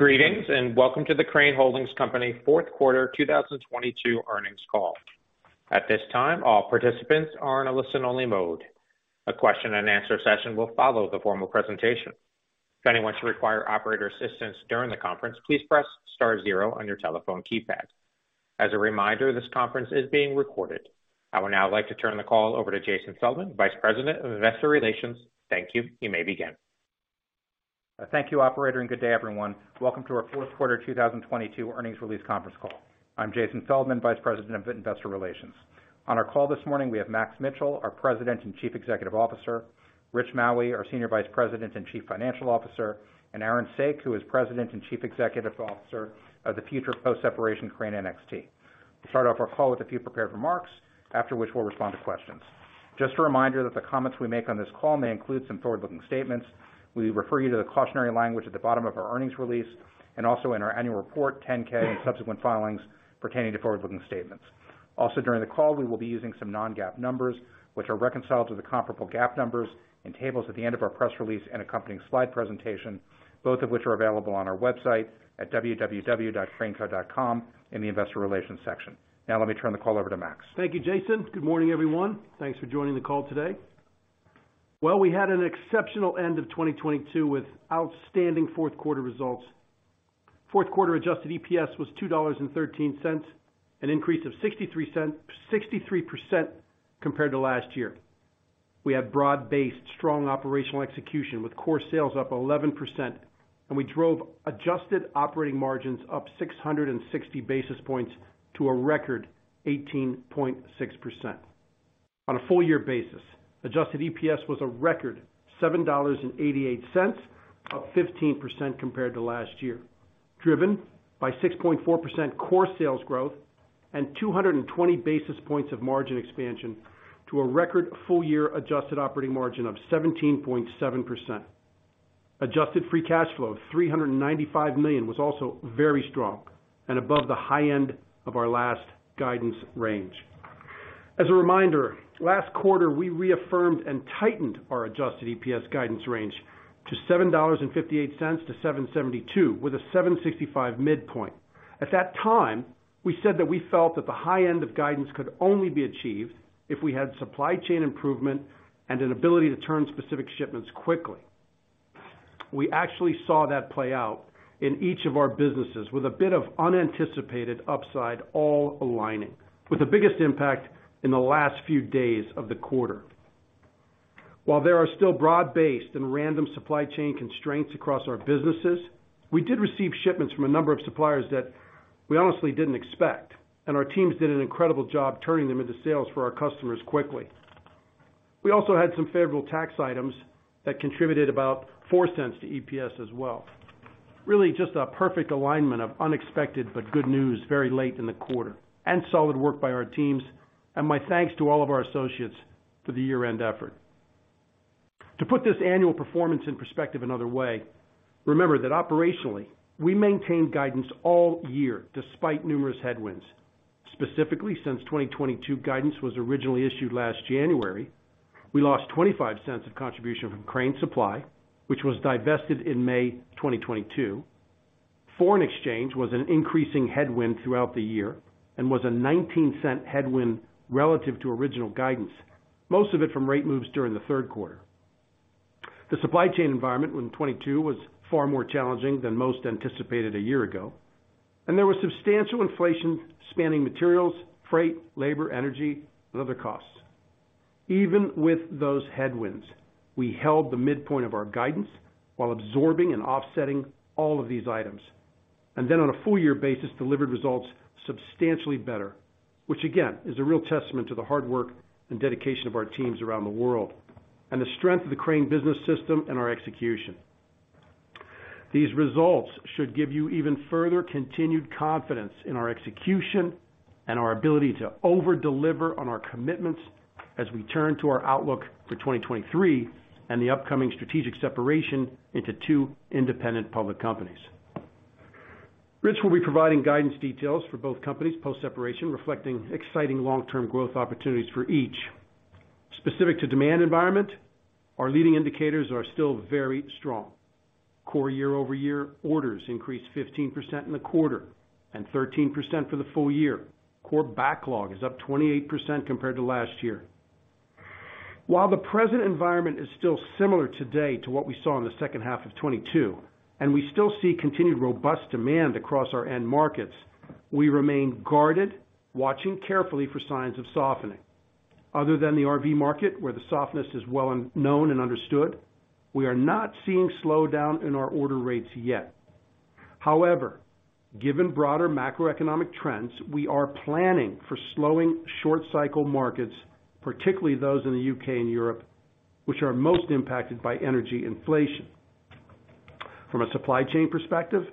Greetings, and welcome to the Crane Holdings, Co. fourth quarter 2022 earnings call. At this time, all participants are in a listen-only mode. A question and answer session will follow the formal presentation. If anyone should require operator assistance during the conference, please press star zero on your telephone keypad. As a reminder, this conference is being recorded. I would now like to turn the call over to Jason Feldman, Vice President of Investor Relations. Thank you. You may begin. Thank you, operator, and good day, everyone. Welcome to our fourth quarter 2022 earnings release conference call. I'm Jason Feldman, Vice President of Investor Relations. On our call this morning, we have Max Mitchell, our President and Chief Executive Officer, Rich Maue, our Senior Vice President and Chief Financial Officer, and Aaron Saak, who is President and Chief Executive Officer of the future post-separation Crane NXT. We'll start off our call with a few prepared remarks, after which we'll respond to questions. Just a reminder that the comments we make on this call may include some forward-looking statements. We refer you to the cautionary language at the bottom of our earnings release and also in our annual report 10-K and subsequent filings pertaining to forward-looking statements. During the call, we will be using some non-GAAP numbers, which are reconciled to the comparable GAAP numbers in tables at the end of our press release and accompanying slide presentation, both of which are available on our website at www.craneco.com in the investor relations section. Let me turn the call over to Max. Thank you, Jason. Good morning, everyone. Thanks for joining the call today. Well, we had an exceptional end of 2022 with outstanding fourth quarter results. Fourth quarter adjusted EPS was $2.13, an increase of 63% compared to last year. We had broad-based strong operational execution with core sales up 11%. We drove adjusted operating margins up 660 basis points to a record 18.6%. On a full year basis, adjusted EPS was a record $7.88, up 15% compared to last year, driven by 6.4% core sales growth and 220 basis points of margin expansion to a record full year adjusted operating margin of 17.7%. Adjusted free cash flow of $395 million was also very strong and above the high end of our last guidance range. As a reminder, last quarter, we reaffirmed and tightened our adjusted EPS guidance range to $7.58-$7.72 with a $7.65 midpoint. At that time, we said that we felt that the high end of guidance could only be achieved if we had supply chain improvement and an ability to turn specific shipments quickly. We actually saw that play out in each of our businesses with a bit of unanticipated upside all aligning, with the biggest impact in the last few days of the quarter. While there are still broad-based and random supply chain constraints across our businesses, we did receive shipments from a number of suppliers that we honestly didn't expect, and our teams did an incredible job turning them into sales for our customers quickly. We also had some favorable tax items that contributed about $0.04 to EPS as well. Really just a perfect alignment of unexpected but good news very late in the quarter and solid work by our teams. My thanks to all of our associates for the year-end effort. To put this annual performance in perspective another way, remember that operationally, we maintained guidance all year despite numerous headwinds. Specifically, since 2022 guidance was originally issued last January. We lost $0.25 of contribution from Crane Supply, which was divested in May 2022. Foreign exchange was an increasing headwind throughout the year and was a $0.19 headwind relative to original guidance, most of it from rate moves during the third quarter. The supply chain environment in 2022 was far more challenging than most anticipated a year ago. There was substantial inflation spanning materials, freight, labor, energy, and other costs. Even with those headwinds, we held the midpoint of our guidance while absorbing and offsetting all of these items. On a full year basis, delivered results substantially better. Again, is a real testament to the hard work and dedication of our teams around the world and the strength of the Crane Business System and our execution. These results should give you even further continued confidence in our execution and our ability to over-deliver on our commitments as we turn to our outlook for 2023 and the upcoming strategic separation into two independent public companies. Rich will be providing guidance details for both companies post-separation, reflecting exciting long-term growth opportunities for each. Specific to demand environment, our leading indicators are still very strong. Core year-over-year orders increased 15% in the quarter and 13% for the full year. Core backlog is up 28% compared to last year. While the present environment is still similar today to what we saw in the second half of 2022, and we still see continued robust demand across our end markets, we remain guarded, watching carefully for signs of softening. Other than the R.V. market, where the softness is well known and understood, we are not seeing slowdown in our order rates yet. Given broader macroeconomic trends, we are planning for slowing short cycle markets, particularly those in the U.K. and Europe, which are most impacted by energy inflation. From a supply chain perspective,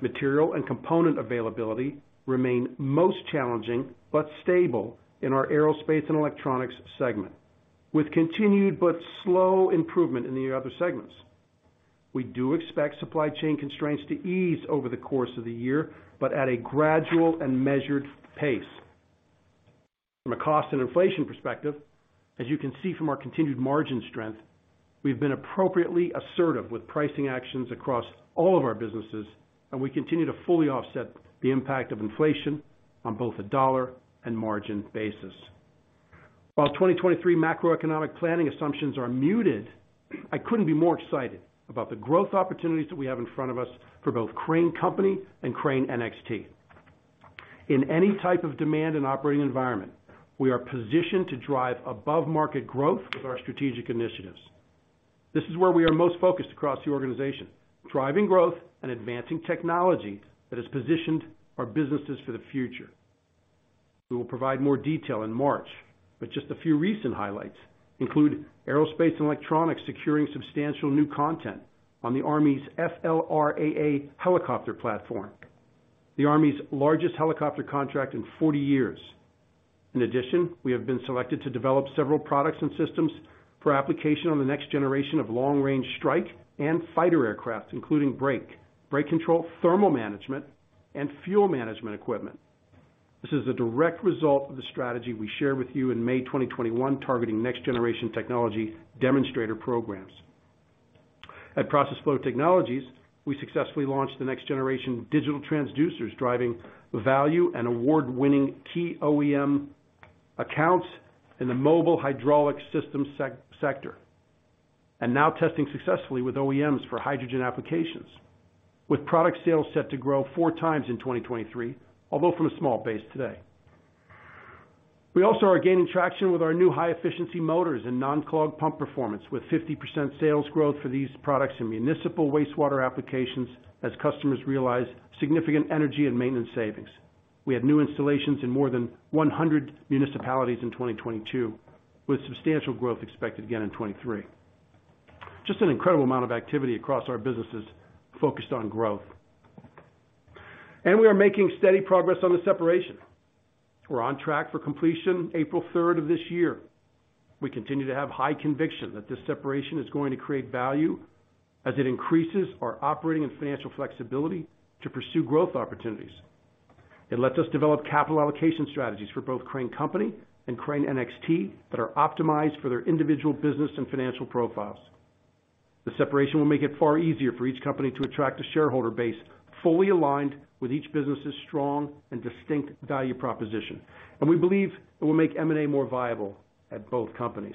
material and component availability remain most challenging but stable in our Aerospace & Electronics segment, with continued but slow improvement in the other segments. We do expect supply chain constraints to ease over the course of the year, but at a gradual and measured pace. From a cost and inflation perspective, as you can see from our continued margin strength, we've been appropriately assertive with pricing actions across all of our businesses, and we continue to fully offset the impact of inflation on both a dollar and margin basis. While 2023 macroeconomic planning assumptions are muted, I couldn't be more excited about the growth opportunities that we have in front of us for both Crane Company and Crane NXT. In any type of demand and operating environment, we are positioned to drive above-market growth with our strategic initiatives. This is where we are most focused across the organization, driving growth and advancing technology that has positioned our businesses for the future. We will provide more detail in March, but just a few recent highlights include Aerospace & Electronics securing substantial new content on the Army's FLRAA helicopter platform, the Army's largest helicopter contract in 40 years. In addition, we have been selected to develop several products and systems for application on the next generation of long-range strike and fighter aircraft, including brake control, thermal management, and fuel management equipment. This is a direct result of the strategy we shared with you in May 2021, targeting next-generation technology demonstrator programs. At Process Flow Technologies, we successfully launched the next-generation digital transducers driving value and award-winning key OEM accounts in the mobile hydraulic system sector, and now testing successfully with OEMs for hydrogen applications, with product sales set to grow four times in 2023, although from a small base today. We also are gaining traction with our new high-efficiency motors and non-clog pump performance, with 50% sales growth for these products in municipal wastewater applications as customers realize significant energy and maintenance savings. We had new installations in more than 100 municipalities in 2022, with substantial growth expected again in 2023. Just an incredible amount of activity across our businesses focused on growth. We are making steady progress on the separation. We're on track for completion April third of this year. We continue to have high conviction that this separation is going to create value as it increases our operating and financial flexibility to pursue growth opportunities. It lets us develop capital allocation strategies for both Crane Company and Crane NXT that are optimized for their individual business and financial profiles. The separation will make it far easier for each company to attract a shareholder base fully aligned with each business' strong and distinct value proposition. We believe it will make M&A more viable at both companies.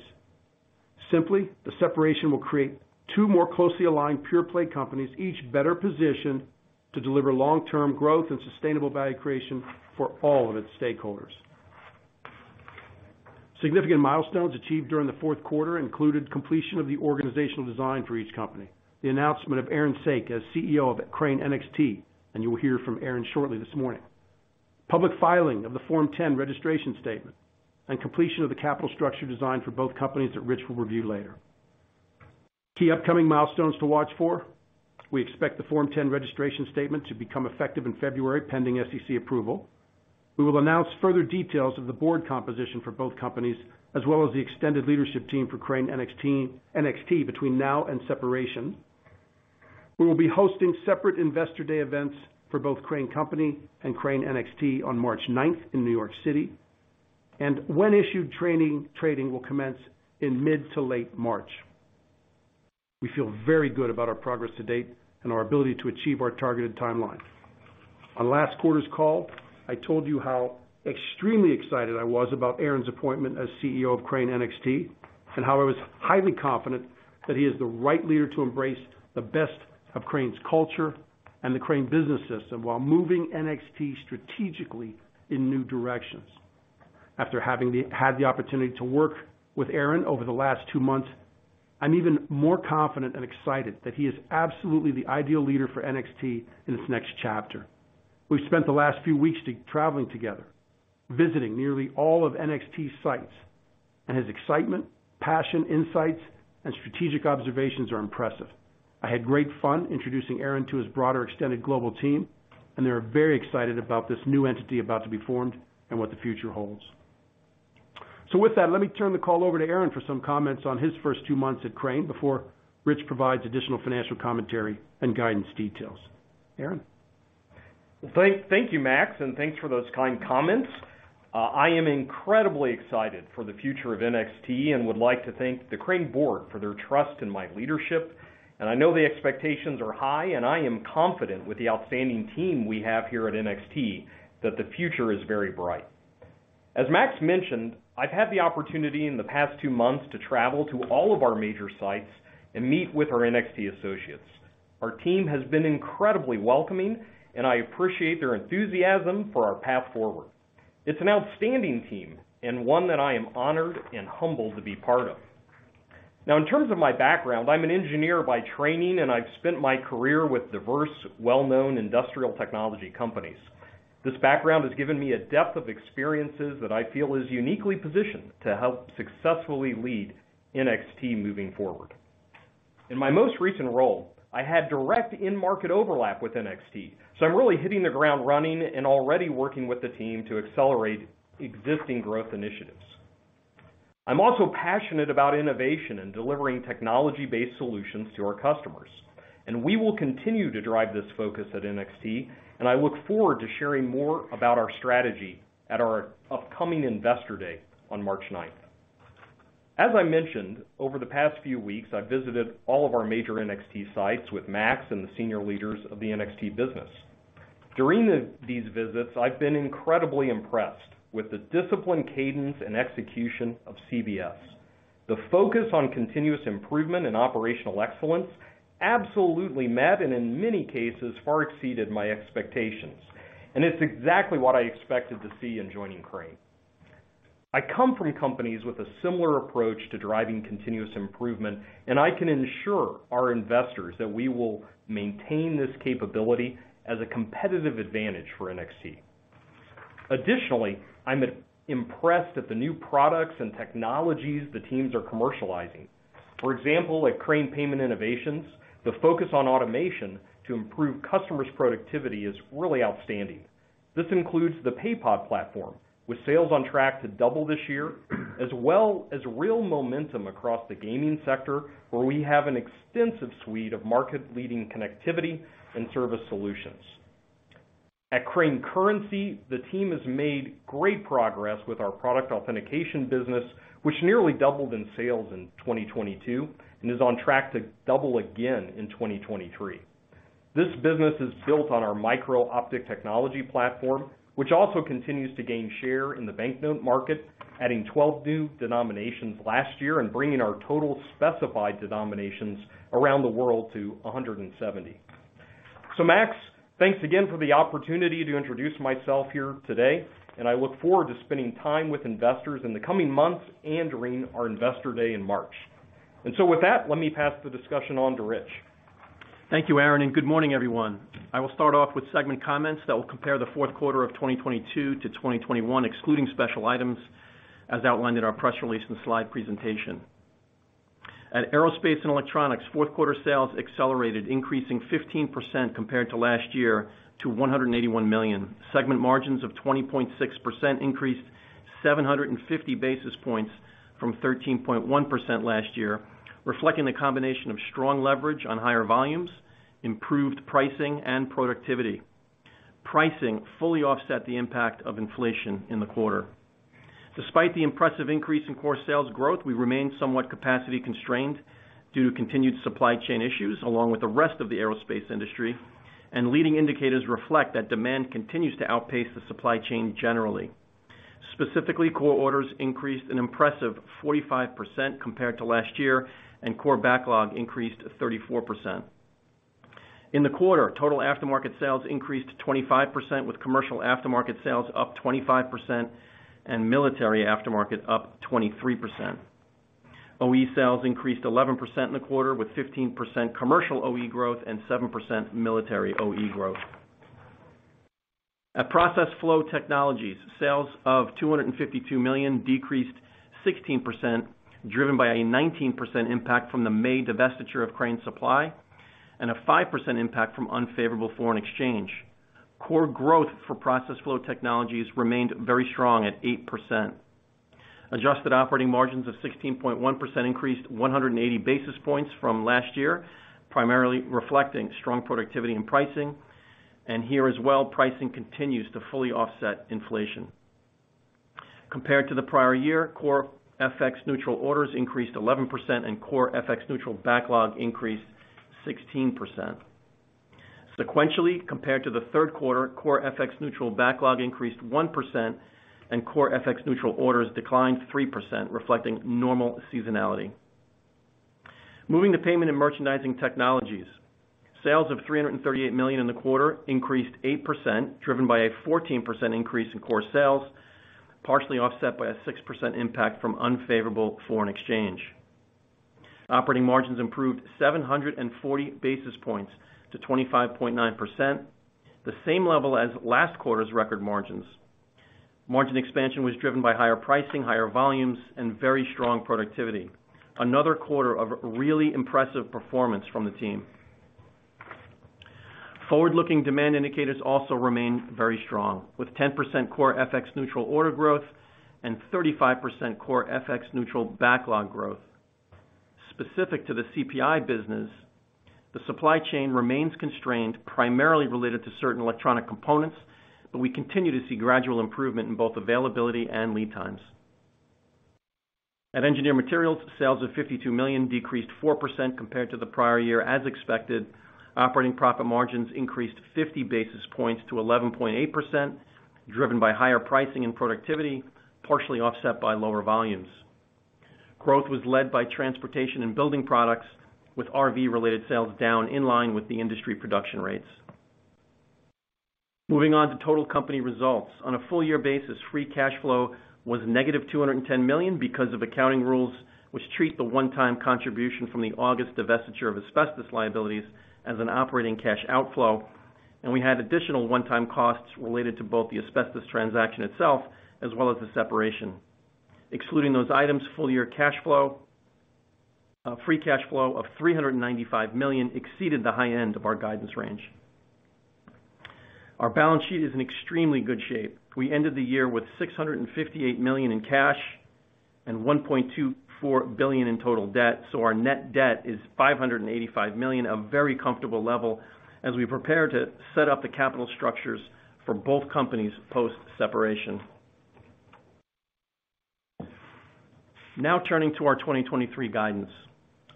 Simply, the separation will create two more closely aligned pure-play companies, each better positioned to deliver long-term growth and sustainable value creation for all of its stakeholders. Significant milestones achieved during the fourth quarter included completion of the organizational design for each company, the announcement of Aaron W. Saak as CEO of Crane NXT. You will hear from Aaron W. Saak shortly this morning. Public filing of the Form 10 registration statement and completion of the capital structure design for both companies that Richard Maue will review later. Key upcoming milestones to watch for. We expect the Form 10 registration statement to become effective in February, pending SEC approval. We will announce further details of the board composition for both companies, as well as the extended leadership team for Crane NXT between now and separation. We will be hosting separate Investor Day events for both Crane Company and Crane NXT on March ninth in New York City. When issued, trading will commence in mid to late March. We feel very good about our progress to date and our ability to achieve our targeted timeline. On last quarter's call, I told you how extremely excited I was about Aaron's appointment as CEO of Crane NXT and how I was highly confident that he is the right leader to embrace the best of Crane's culture and the Crane Business System while moving NXT strategically in new directions. After having had the opportunity to work with Aaron over the last two months, I'm even more confident and excited that he is absolutely the ideal leader for NXT in this next chapter. We've spent the last few weeks traveling together, visiting nearly all of NXT's sites, and his excitement, passion, insights, and strategic observations are impressive. I had great fun introducing Aaron to his broader extended global team, and they are very excited about this new entity about to be formed and what the future holds. With that, let me turn the call over to Aaron for some comments on his first 2 months at Crane before Rich provides additional financial commentary and guidance details. Aaron? Thank you, Max, and thanks for those kind comments. I am incredibly excited for the future of NXT and would like to thank the Crane board for their trust in my leadership. I know the expectations are high, and I am confident with the outstanding team we have here at NXT that the future is very bright. As Max mentioned, I've had the opportunity in the past 2 months to travel to all of our major sites and meet with our NXT associates. Our team has been incredibly welcoming, and I appreciate their enthusiasm for our path forward. It's an outstanding team and one that I am honored and humbled to be part of. In terms of my background, I'm an engineer by training, and I've spent my career with diverse, well-known industrial technology companies. This background has given me a depth of experiences that I feel is uniquely positioned to help successfully lead NXT moving forward. In my most recent role, I had direct in-market overlap with NXT, so I'm really hitting the ground running and already working with the team to accelerate existing growth initiatives. I'm also passionate about innovation and delivering technology-based solutions to our customers, and we will continue to drive this focus at NXT, and I look forward to sharing more about our strategy at our upcoming Investor Day on March ninth. As I mentioned, over the past few weeks, I've visited all of our major NXT sites with Max and the senior leaders of the NXT business. During these visits, I've been incredibly impressed with the disciplined cadence and execution of CBS. The focus on continuous improvement and operational excellence absolutely met, and in many cases, far exceeded my expectations. It's exactly what I expected to see in joining Crane. I come from companies with a similar approach to driving continuous improvement, and I can ensure our investors that we will maintain this capability as a competitive advantage for NXT. Additionally, I'm impressed at the new products and technologies the teams are commercializing. For example, at Crane Payment Innovations, the focus on automation to improve customers' productivity is really outstanding. This includes the PayPod platform, with sales on track to double this year, as well as real momentum across the gaming sector, where we have an extensive suite of market-leading connectivity and service solutions. At Crane Currency, the team has made great progress with our product authentication business, which nearly doubled in sales in 2022 and is on track to double again in 2023. This business is built on our Micro-Optic technology platform, which also continues to gain share in the banknote market, adding 12 new denominations last year and bringing our total specified denominations around the world to 170. Max, thanks again for the opportunity to introduce myself here today, and I look forward to spending time with investors in the coming months and during our Investor Day in March. With that, let me pass the discussion on to Rich. Thank you, Aaron. Good morning, everyone. I will start off with segment comments that will compare the fourth quarter of 2022 to 2021, excluding special items, as outlined in our press release and slide presentation. At Aerospace & Electronics, fourth quarter sales accelerated, increasing 15% compared to last year, to $181 million. Segment margins of 20.6% increased 750 basis points from 13.1% last year, reflecting the combination of strong leverage on higher volumes, improved pricing, and productivity. Pricing fully offset the impact of inflation in the quarter. Despite the impressive increase in core sales growth, we remain somewhat capacity constrained due to continued supply chain issues, along with the rest of the aerospace industry. Leading indicators reflect that demand continues to outpace the supply chain generally. Specifically, core orders increased an impressive 45% compared to last year, and core backlog increased 34%. In the quarter, total aftermarket sales increased 25%, with commercial aftermarket sales up 25% and military aftermarket up 23%. OE sales increased 11% in the quarter, with 15% commercial OE growth and 7% military OE growth. At Process Flow Technologies, sales of $252 million decreased 16%, driven by a 19% impact from the May divestiture of Crane Supply and a 5% impact from unfavorable foreign exchange. Core growth for Process Flow Technologies remained very strong at 8%. Adjusted operating margins of 16.1% increased 180 basis points from last year, primarily reflecting strong productivity in pricing, and here as well, pricing continues to fully offset inflation. Compared to the prior year, core FX neutral orders increased 11% and core FX neutral backlog increased 16%. Sequentially, compared to the third quarter, core FX neutral backlog increased 1% and core FX neutral orders declined 3%, reflecting normal seasonality. Moving to Payment & Merchandising Technologies, sales of $338 million in the quarter increased 8%, driven by a 14% increase in core sales, partially offset by a 6% impact from unfavorable foreign exchange. Operating margins improved 740 basis points to 25.9%, the same level as last quarter's record margins. Margin expansion was driven by higher pricing, higher volumes, and very strong productivity. Another quarter of really impressive performance from the team. Forward-looking demand indicators also remain very strong, with 10% core FX neutral order growth and 35% core FX neutral backlog growth. Specific to the CPI business, the supply chain remains constrained primarily related to certain electronic components. We continue to see gradual improvement in both availability and lead times. At Engineered Materials, sales of $52 million decreased 4% compared to the prior year as expected. Operating profit margins increased 50 basis points to 11.8%, driven by higher pricing and productivity, partially offset by lower volumes. Growth was led by transportation and building products, with RV-related sales down in line with the industry production rates. Moving on to total company results. On a full year basis, free cash flow was negative $210 million because of accounting rules which treat the one-time contribution from the August divestiture of asbestos liabilities as an operating cash outflow. We had additional one-time costs related to both the asbestos transaction itself as well as the separation. Excluding those items, full year cash flow, free cash flow of $395 million exceeded the high end of our guidance range. Our balance sheet is in extremely good shape. We ended the year with $658 million in cash and $1.24 billion in total debt. Our net debt is $585 million, a very comfortable level as we prepare to set up the capital structures for both companies post-separation. Turning to our 2023 guidance.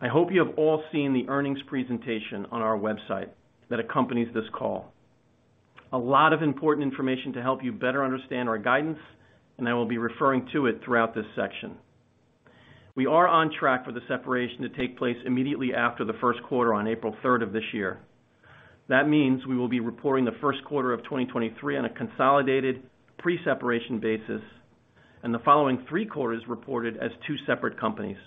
I hope you have all seen the earnings presentation on our website that accompanies this call. A lot of important information to help you better understand our guidance. I will be referring to it throughout this section. We are on track for the separation to take place immediately after the first quarter on April third of this year. That means we will be reporting the first quarter of 2023 on a consolidated pre-separation basis, and the following three quarters reported as two separate companies.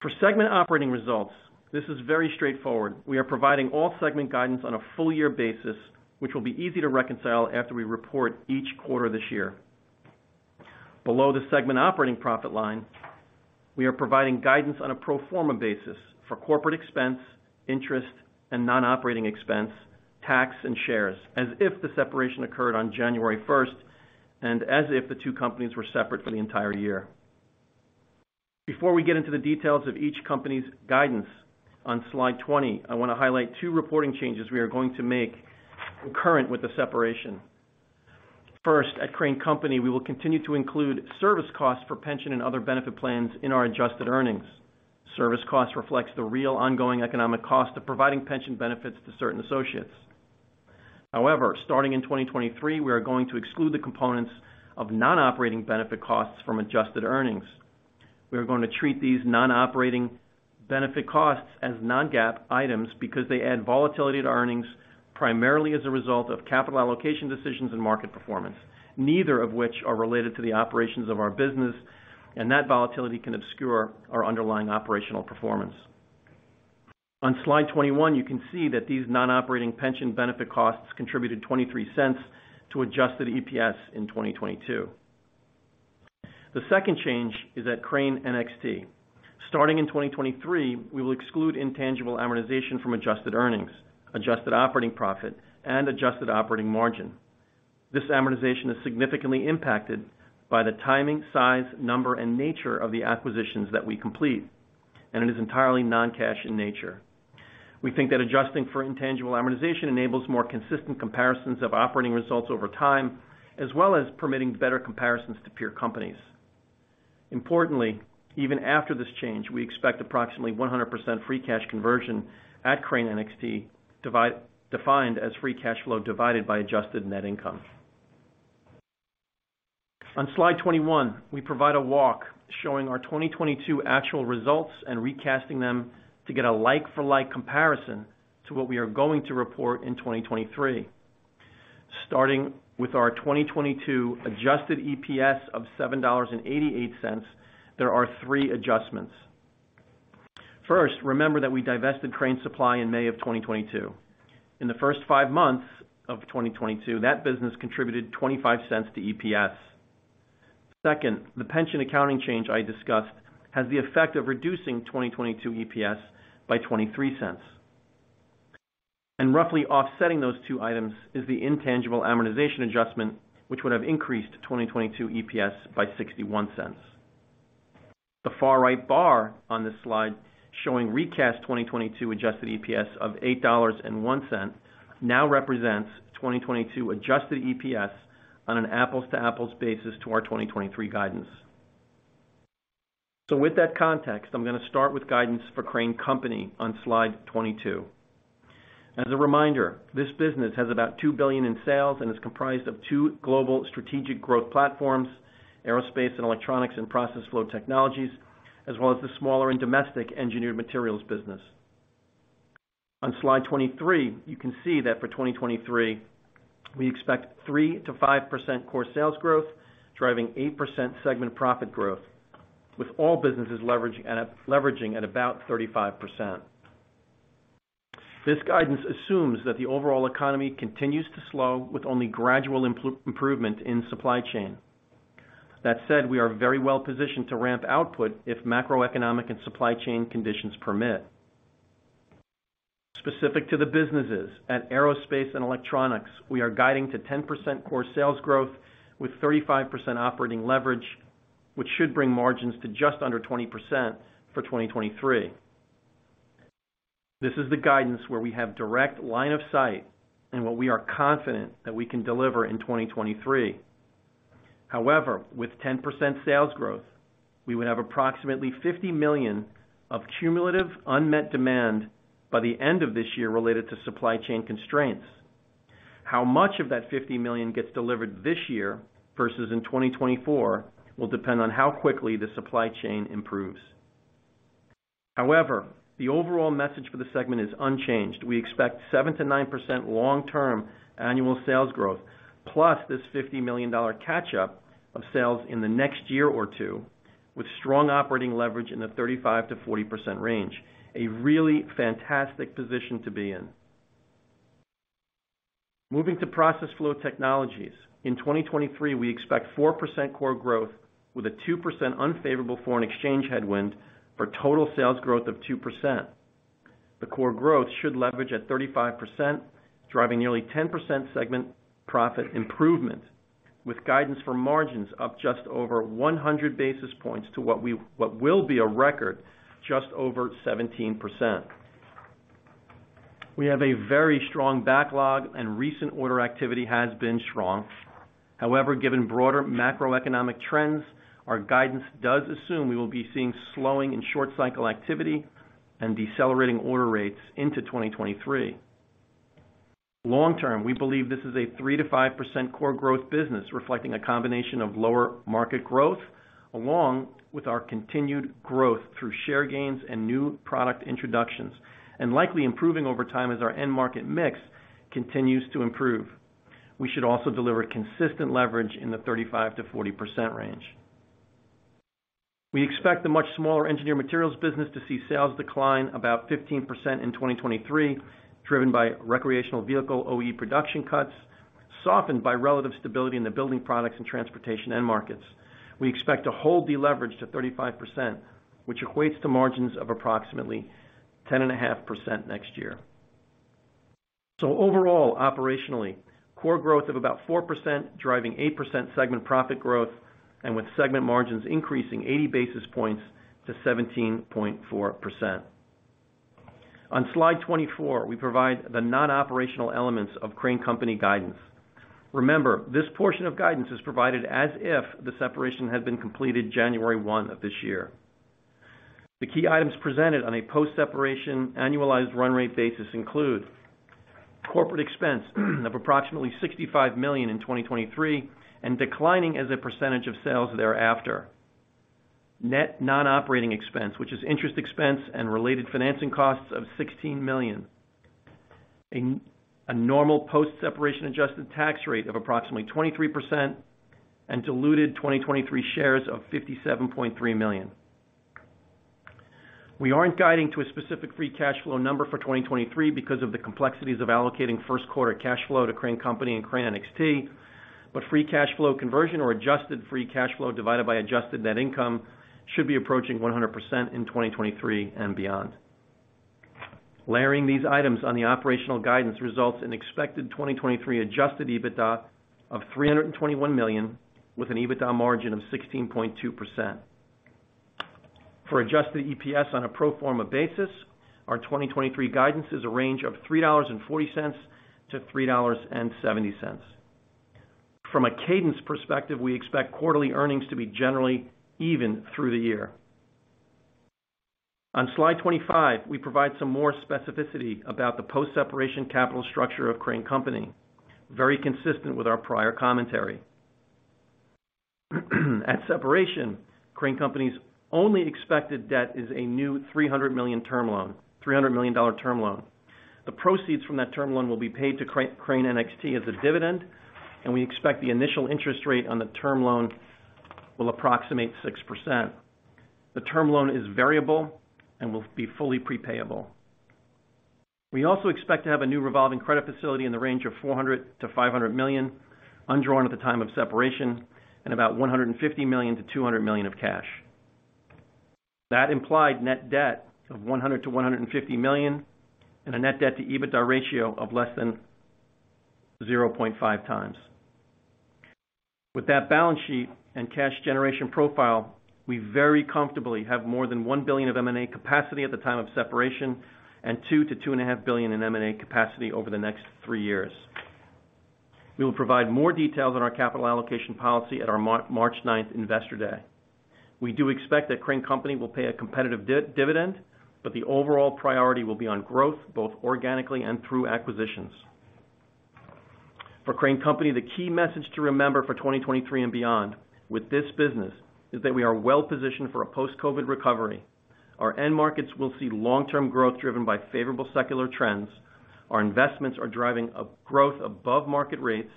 For segment operating results, this is very straightforward. We are providing all segment guidance on a full year basis, which will be easy to reconcile after we report each quarter this year. Below the segment operating profit line, we are providing guidance on a pro forma basis for corporate expense, interest and non-operating expense, tax and shares, as if the separation occurred on January first, and as if the two companies were separate for the entire year. Before we get into the details of each company's guidance, on slide 20, I wanna highlight two reporting changes we are going to make concurrent with the separation. First, at Crane Company, we will continue to include service costs for pension and other benefit plans in our adjusted earnings. Service cost reflects the real ongoing economic cost of providing pension benefits to certain associates. However, starting in 2023, we are going to exclude the components of non-operating benefit costs from adjusted earnings. We are going to treat these non-operating benefit costs as non-GAAP items because they add volatility to earnings primarily as a result of capital allocation decisions and market performance, neither of which are related to the operations of our business, and that volatility can obscure our underlying operational performance. On slide 21, you can see that these non-operating pension benefit costs contributed $0.23 to adjusted EPS in 2022. The second change is at Crane NXT. Starting in 2023, we will exclude intangible amortization from adjusted earnings, adjusted operating profit and adjusted operating margin. This amortization is significantly impacted by the timing, size, number, and nature of the acquisitions that we complete, and it is entirely non-cash in nature. We think that adjusting for intangible amortization enables more consistent comparisons of operating results over time, as well as permitting better comparisons to peer companies. Importantly, even after this change, we expect approximately 100% free cash conversion at Crane NXT, defined as free cash flow divided by adjusted net income. On slide 21, we provide a walk showing our 2022 actual results and recasting them to get a like-for-like comparison to what we are going to report in 2023. Starting with our 2022 adjusted EPS of $7.88, there are three adjustments. First, remember that we divested Crane Supply in May of 2022. In the first 5 months of 2022, that business contributed $0.25 to EPS. The pension accounting change I discussed has the effect of reducing 2022 EPS by $0.23. Roughly offsetting those two items is the intangible amortization adjustment, which would have increased 2022 EPS by $0.61. The far right bar on this slide showing recast 2022 adjusted EPS of $8.01 now represents 2022 adjusted EPS on an apples-to-apples basis to our 2023 guidance. With that context, I'm gonna start with guidance for Crane Company on slide 22. As a reminder, this business has about $2 billion in sales and is comprised of two global strategic growth platforms, Aerospace & Electronics and Process Flow Technologies, as well as the smaller and domestic Engineered Materials business. On slide 23, you can see that for 2023, we expect 3%-5% core sales growth, driving 8% segment profit growth, with all businesses leveraging at about 35%. This guidance assumes that the overall economy continues to slow with only gradual improvement in supply chain. That said, we are very well positioned to ramp output if macroeconomic and supply chain conditions permit. Specific to the businesses at Aerospace & Electronics, we are guiding to 10% core sales growth with 35% operating leverage, which should bring margins to just under 20% for 2023. This is the guidance where we have direct line of sight and what we are confident that we can deliver in 2023. However, with 10% sales growth, we would have approximately $50 million of cumulative unmet demand by the end of this year related to supply chain constraints. How much of that $50 million gets delivered this year versus in 2024 will depend on how quickly the supply chain improves. However, the overall message for the segment is unchanged. We expect 7%-9% long-term annual sales growth, plus this $50 million dollar catch up of sales in the next year or two, with strong operating leverage in the 35%-40% range, a really fantastic position to be in. Moving to Process Flow Technologies. In 2023, we expect 4% core growth with a 2% unfavorable foreign exchange headwind for total sales growth of 2%. The core growth should leverage at 35%, driving nearly 10% segment profit improvement, with guidance for margins up just over 100 basis points to what will be a record just over 17%. We have a very strong backlog and recent order activity has been strong. However, given broader macroeconomic trends, our guidance does assume we will be seeing slowing in short cycle activity and decelerating order rates into 2023. Long-term, we believe this is a 3%-5% core growth business, reflecting a combination of lower market growth, along with our continued growth through share gains and new product introductions, and likely improving over time as our end market mix continues to improve. We should also deliver consistent leverage in the 35%-40% range. We expect the much smaller Engineered Materials business to see sales decline about 15% in 2023, driven by recreational vehicle OE production cuts, softened by relative stability in the building products and transportation end markets. We expect to hold the leverage to 35%, which equates to margins of approximately 10.5% next year. Overall, operationally, core growth of about 4% driving 8% segment profit growth, and with segment margins increasing 80 basis points to 17.4%. On slide 24, we provide the non-operational elements of Crane Company guidance. Remember, this portion of guidance is provided as if the separation had been completed January 1 of this year. The key items presented on a post-separation annualized run rate basis include corporate expense of approximately $65 million in 2023, declining as a % of sales thereafter. Net non-operating expense, which is interest expense and related financing costs of $16 million. A normal post-separation adjusted tax rate of approximately 23% and diluted 2023 shares of 57.3 million. We aren't guiding to a specific free cash flow number for 2023 because of the complexities of allocating first quarter cash flow to Crane Company and Crane NXT. Free cash flow conversion or adjusted free cash flow divided by adjusted net income should be approaching 100% in 2023 and beyond. Layering these items on the operational guidance results in expected 2023 adjusted EBITDA of $321 million with an EBITDA margin of 16.2%. For adjusted EPS on a pro forma basis, our 2023 guidance is a range of $3.40-$3.70. From a cadence perspective, we expect quarterly earnings to be generally even through the year. On slide 25, we provide some more specificity about the post-separation capital structure of Crane Company, very consistent with our prior commentary. At separation, Crane Company's only expected debt is a new $300 million term loan. The proceeds from that term loan will be paid to Crane NXT as a dividend, and we expect the initial interest rate on the term loan will approximate 6%. The term loan is variable and will be fully pre-payable. We also expect to have a new revolving credit facility in the range of $400 million-$500 million, undrawn at the time of separation, and about $150 million-$200 million of cash. That implied net debt of $100 million-$150 million, and a net debt to EBITDA ratio of less than 0.5 times. With that balance sheet and cash generation profile, we very comfortably have more than $1 billion of M&A capacity at the time of separation, and $2 billion-$2.5 billion in M&A capacity over the next three years. We will provide more details on our capital allocation policy at our March ninth investor day. The overall priority will be on growth, both organically and through acquisitions. For Crane Company, the key message to remember for 2023 and beyond with this business is that we are well positioned for a post-COVID recovery. Our end markets will see long-term growth driven by favorable secular trends. Our investments are driving a growth above market rates.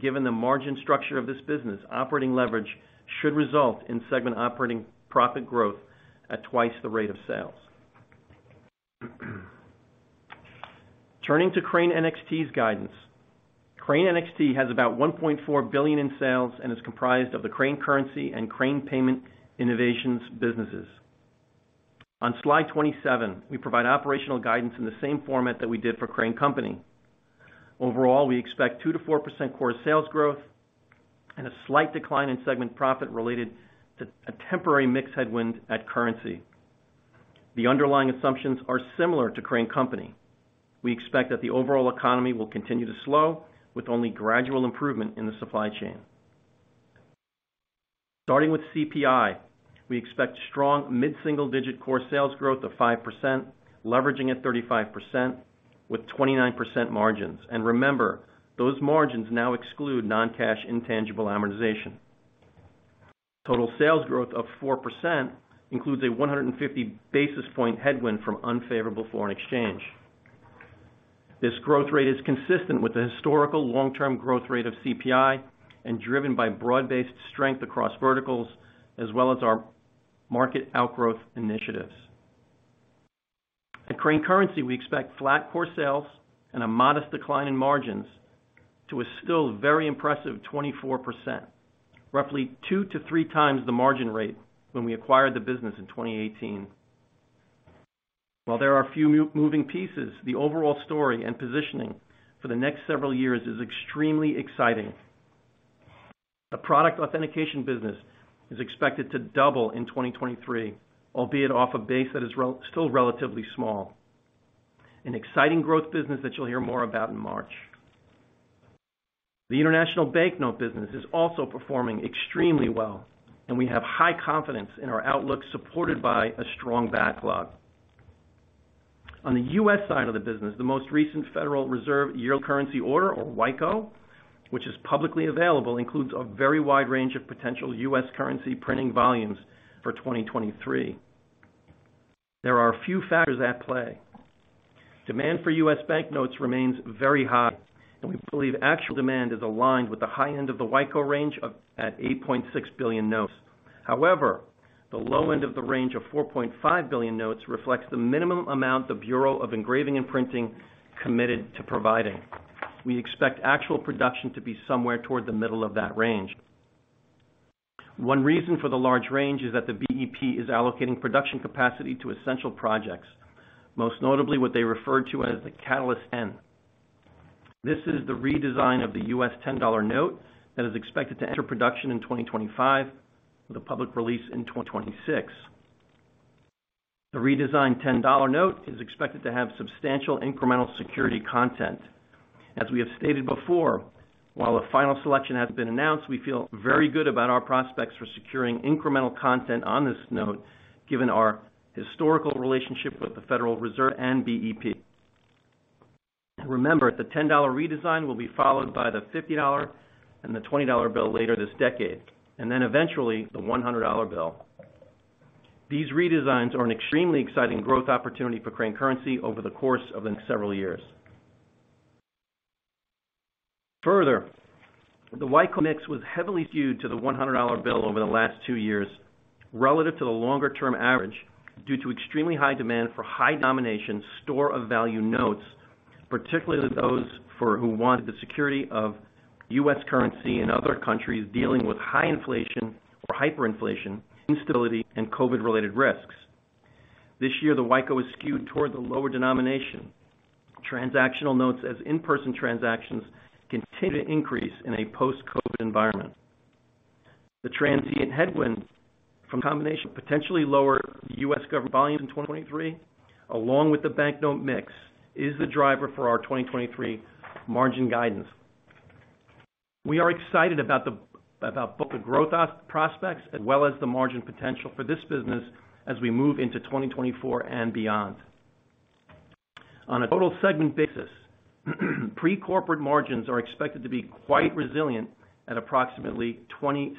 Given the margin structure of this business, operating leverage should result in segment operating profit growth at 2x the rate of sales. Turning to Crane NXT's guidance. Crane NXT has about $1.4 billion in sales and is comprised of the Crane Currency and Crane Payment Innovations businesses. On slide 27, we provide operational guidance in the same format that we did for Crane Company. Overall, we expect 2%-4% core sales growth and a slight decline in segment profit related to a temporary mix headwind at currency. The underlying assumptions are similar to Crane Company. We expect that the overall economy will continue to slow, with only gradual improvement in the supply chain. Starting with CPI, we expect strong mid-single digit core sales growth of 5%, leveraging at 35%, with 29% margins. Remember, those margins now exclude non-cash intangible amortization. Total sales growth of 4% includes a 150 basis point headwind from unfavorable foreign exchange. This growth rate is consistent with the historical long-term growth rate of CPI and driven by broad-based strength across verticals as well as our market outgrowth initiatives. At Crane Currency, we expect flat core sales and a modest decline in margins to a still very impressive 24%, roughly 2-3 times the margin rate when we acquired the business in 2018. While there are a few moving pieces, the overall story and positioning for the next several years is extremely exciting. The product authentication business is expected to double in 2023, albeit off a base that is still relatively small. An exciting growth business that you'll hear more about in March. The international banknote business is also performing extremely well, and we have high confidence in our outlook, supported by a strong backlog. On the U.S. side of the business, the most recent Federal Reserve Yearly Currency Order, or WICO, which is publicly available, includes a very wide range of potential U.S. currency printing volumes for 2023. There are a few factors at play. Demand for U.S. banknotes remains very high, and we believe actual demand is aligned with the high end of the WICO range of, at 8.6 billion notes. The low end of the range of 4.5 billion notes reflects the minimum amount the Bureau of Engraving and Printing committed to providing. We expect actual production to be somewhere toward the middle of that range. One reason for the large range is that the BEP is allocating production capacity to essential projects, most notably what they refer to as the Catalyst. This is the redesign of the U.S. $10 note that is expected to enter production in 2025, with a public release in 2026. The redesigned $10 note is expected to have substantial incremental security content. As we have stated before, while a final selection hasn't been announced, we feel very good about our prospects for securing incremental content on this note, given our historical relationship with the Federal Reserve and BEP. Remember, the $10 redesign will be followed by the $50 and the $20 bill later this decade, and then eventually the $100 bill. These redesigns are an extremely exciting growth opportunity for Crane Currency over the course of the next several years. Further, the WICO mix was heavily skewed to the $100 bill over the last two years relative to the longer term average due to extremely high demand for high denomination store of value notes, particularly those for who wanted the security of U.S. currency in other countries dealing with high inflation or hyperinflation, instability, and COVID-related risks. This year, the WICO is skewed toward the lower denomination transactional notes as in-person transactions continue to increase in a post-COVID environment. The transient headwind from the combination of potentially lower U.S. government volumes in 2023, along with the banknote mix, is the driver for our 2023 margin guidance. We are excited about both the growth prospects as well as the margin potential for this business as we move into 2024 and beyond. On a total segment basis, pre-corporate margins are expected to be quite resilient at approximately 27%.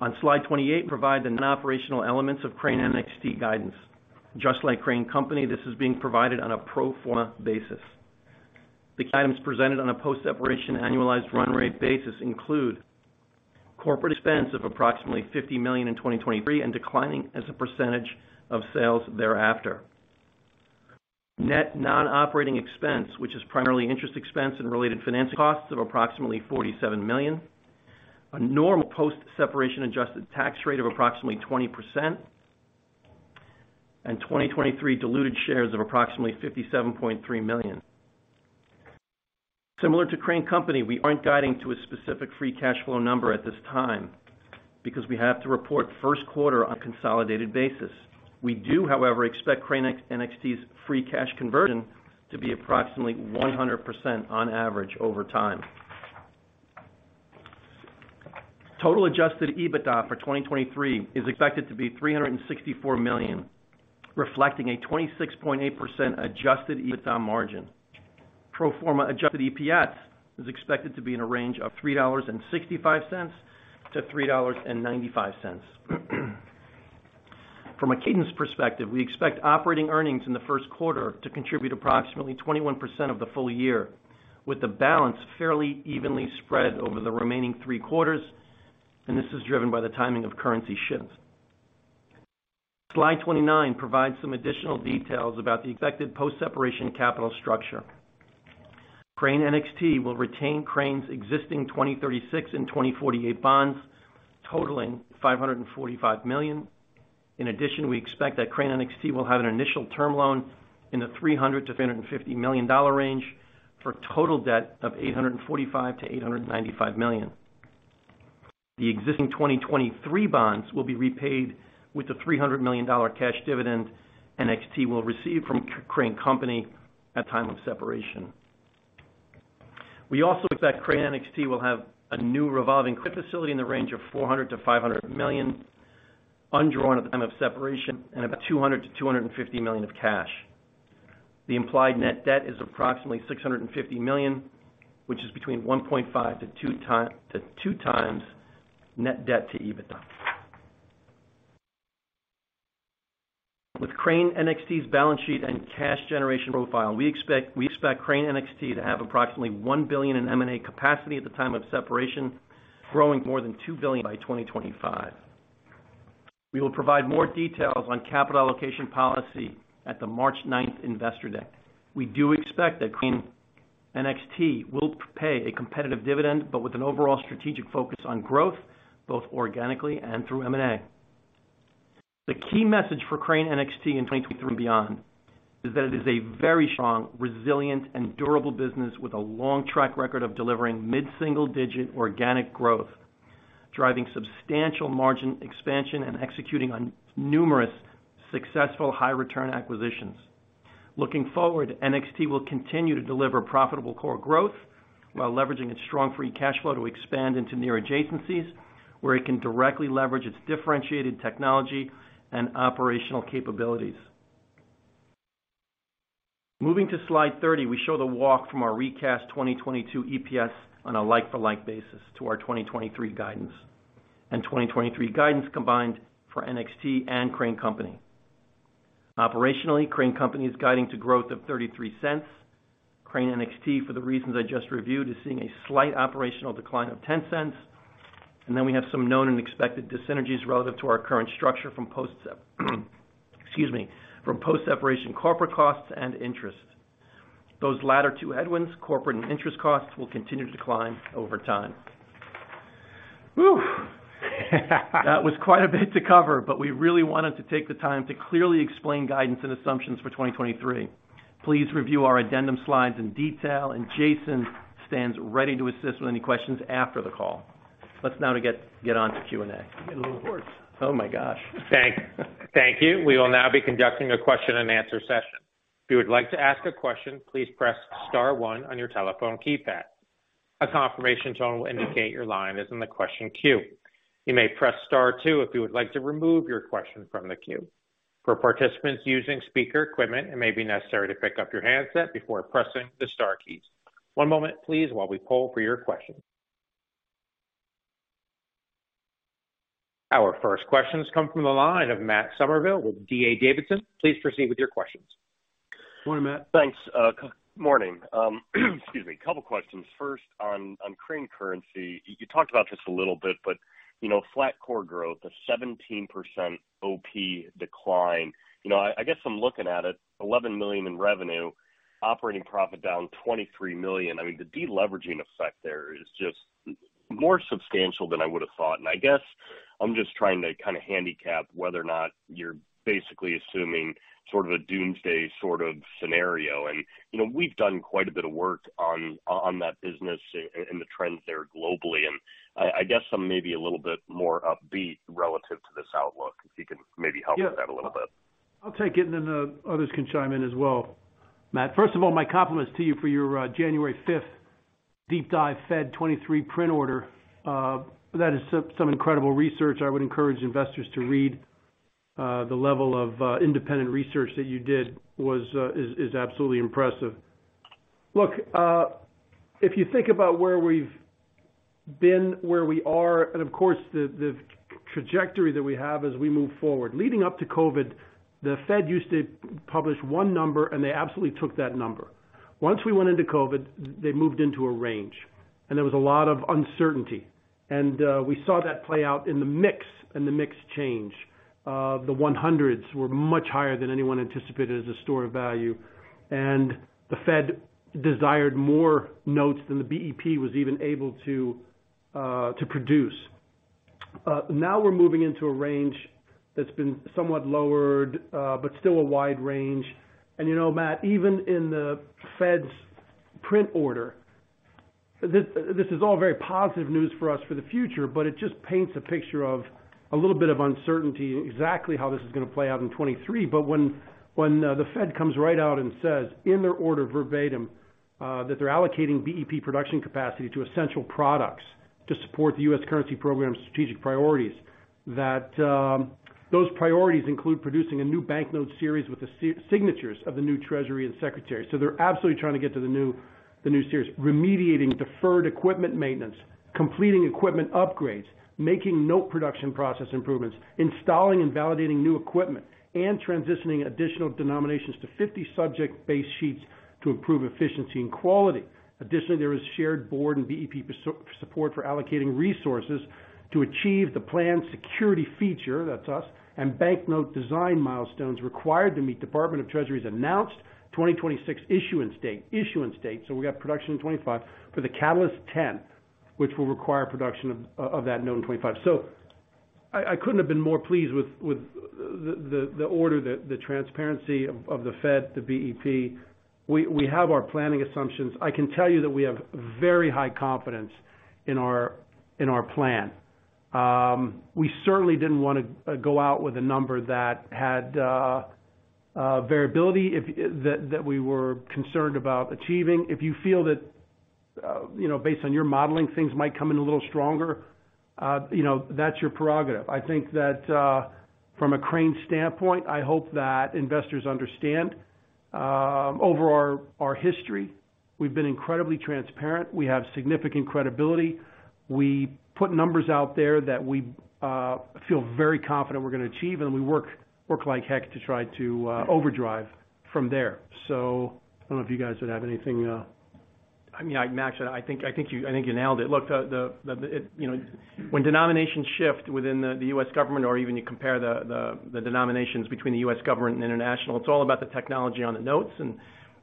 On slide 28, we provide the non-operational elements of Crane NXT guidance. Just like Crane Company, this is being provided on a pro forma basis. The key items presented on a post-separation annualized run rate basis include corporate expense of approximately $50 million in 2023 and declining as a percentage of sales thereafter. Net non-operating expense, which is primarily interest expense and related financing costs of approximately $47 million. A normal post-separation adjusted tax rate of approximately 20%. 2023 diluted shares of approximately 57.3 million. Similar to Crane Company, we aren't guiding to a specific free cash flow number at this time because we have to report first quarter on a consolidated basis. We do, however, expect Crane NXT's free cash conversion to be approximately 100% on average over time. Total adjusted EBITDA for 2023 is expected to be $364 million, reflecting a 26.8% adjusted EBITDA margin. Pro forma adjusted EPS is expected to be in a range of $3.65-$3.95. From a cadence perspective, we expect operating earnings in the first quarter to contribute approximately 21% of the full year, with the balance fairly evenly spread over the remaining 3 quarters. This is driven by the timing of currency shifts. Slide 29 provides some additional details about the expected post-separation capital structure. Crane NXT will retain Crane's existing 2036 and 2048 bonds, totaling $545 million. In addition, we expect that Crane NXT will have an initial term loan in the $300 million-$350 million range for total debt of $845 million-$895 million. The existing 2023 bonds will be repaid with the $300 million cash dividend NXT will receive from Crane Company at time of separation. We also expect Crane NXT will have a new revolving credit facility in the range of $400 million-$500 million, undrawn at the time of separation, and about $200 million-$250 million of cash. The implied net debt is approximately $650 million, which is between 1.5x-2x net debt to EBITDA. With Crane NXT's balance sheet and cash generation profile, we expect Crane NXT to have approximately $1 billion in M&A capacity at the time of separation, growing to more than $2 billion by 2025. We will provide more details on capital allocation policy at the March 9th investor day. We do expect that Crane NXT will pay a competitive dividend, but with an overall strategic focus on growth, both organically and through M&A. The key message for Crane NXT in 2023 and beyond is that it is a very strong, resilient, and durable business with a long track record of delivering mid-single-digit organic growth, driving substantial margin expansion and executing on numerous successful high return acquisitions. Looking forward, NXT will continue to deliver profitable core growth while leveraging its strong free cash flow to expand into near adjacencies where it can directly leverage its differentiated technology and operational capabilities. Moving to slide 30, we show the walk from our recast 2022 EPS on a like-for-like basis to our 2023 guidance, and 2023 guidance combined for NXT and Crane Company. Operationally, Crane Company is guiding to growth of $0.33. Crane NXT, for the reasons I just reviewed, is seeing a slight operational decline of $0.10. We have some known and expected dyssynergies relative to our current structure from post-separation corporate costs and interest. Those latter two headwinds, corporate and interest costs, will continue to decline over time. That was quite a bit to cover, but we really wanted to take the time to clearly explain guidance and assumptions for 2023. Please review our addendum slides in detail, and Jason stands ready to assist with any questions after the call. Let's now get on to Q&A. Getting a little hoarse. Oh my gosh. Thank you. We will now be conducting a question and answer session. If you would like to ask a question, please press star one on your telephone keypad. A confirmation tone will indicate your line is in the question queue. You may press star two if you would like to remove your question from the queue. For participants using speaker equipment, it may be necessary to pick up your handset before pressing the star keys. One moment please while we poll for your questions. Our first questions come from the line of Matt Summerville with D.A. Davidson. Please proceed with your questions. Good morning, Matt. Thanks. Good morning. Excuse me. A couple questions. First on Crane Currency. You talked about this a little bit, but flat core growth, a 17% OP decline. You know, I guess I'm looking at it, $11 million in revenue, operating profit down $23 million. I mean, the deleveraging effect there is just more substantial than I would've thought. I guess I'm just trying to kind of handicap whether or not you're basically assuming sort of a doomsday sort of scenario. You know, we've done quite a bit of work on that business and the trends there globally, and I guess I may be a little bit more upbeat relative to this outlook, if you can maybe help with that a little bit I'll take it and then others can chime in as well, Matt. First of all, my compliments to you for your January fifth deep dive Fed 2023 print order. That is some incredible research. I would encourage investors to read. The level of independent research that you did was absolutely impressive. Look, if you think about where we've been, where we are, and of course the trajectory that we have as we move forward. Leading up to COVID, the Fed used to publish one number, and they absolutely took that number. Once we went into COVID, they moved into a range and there was a lot of uncertainty. We saw that play out in the mix change. The 100s were much higher than anyone anticipated as a store of value, and the Fed desired more notes than the BEP was even able to produce. Now we're moving into a range that's been somewhat lowered, but still a wide range. You know, Matt, even in the Fed's print order, this is all very positive news for us for the future, but it just paints a picture of a little bit of uncertainty exactly how this is going to play out in 23. When the Fed comes right out and says in their order verbatim, that they're allocating BEP production capacity to essential products to support the U.S. currency program's strategic priorities. That those priorities include producing a new banknote series with the signatures of the new Treasury and Secretary. They're absolutely trying to get to the new series. Remediating deferred equipment maintenance, completing equipment upgrades, making note production process improvements, installing and validating new equipment, and transitioning additional denominations to 50 subject base sheets to improve efficiency and quality. Additionally, there is shared board and BEP support for allocating resources to achieve the planned security feature, that's us, and banknote design milestones required to meet Department of the Treasury's announced 2026 issuance date. Issuance date. We've got production in 25 for the Catalyst 10, which will require production of that note in 25. I couldn't have been more pleased with the order, the transparency of the Fed, the BEP. We have our planning assumptions. I can tell you that we have very high confidence in our plan. We certainly didn't want to go out with a number that had variability that we were concerned about achieving. If you feel that based on your modeling things might come in a little stronger that's your prerogative. I think that, from a Crane standpoint, I hope that investors understand. Over our history, we've been incredibly transparent. We have significant credibility. We put numbers out there that we feel very confident we're gonna achieve, and we work like heck to try to overdrive from there. I don't know if you guys would have anything. I mean, Max, I think you nailed it. Look, You know, when denominations shift within the U.S. government or even you compare the denominations between the U.S. government and international, it's all about the technology on the notes, and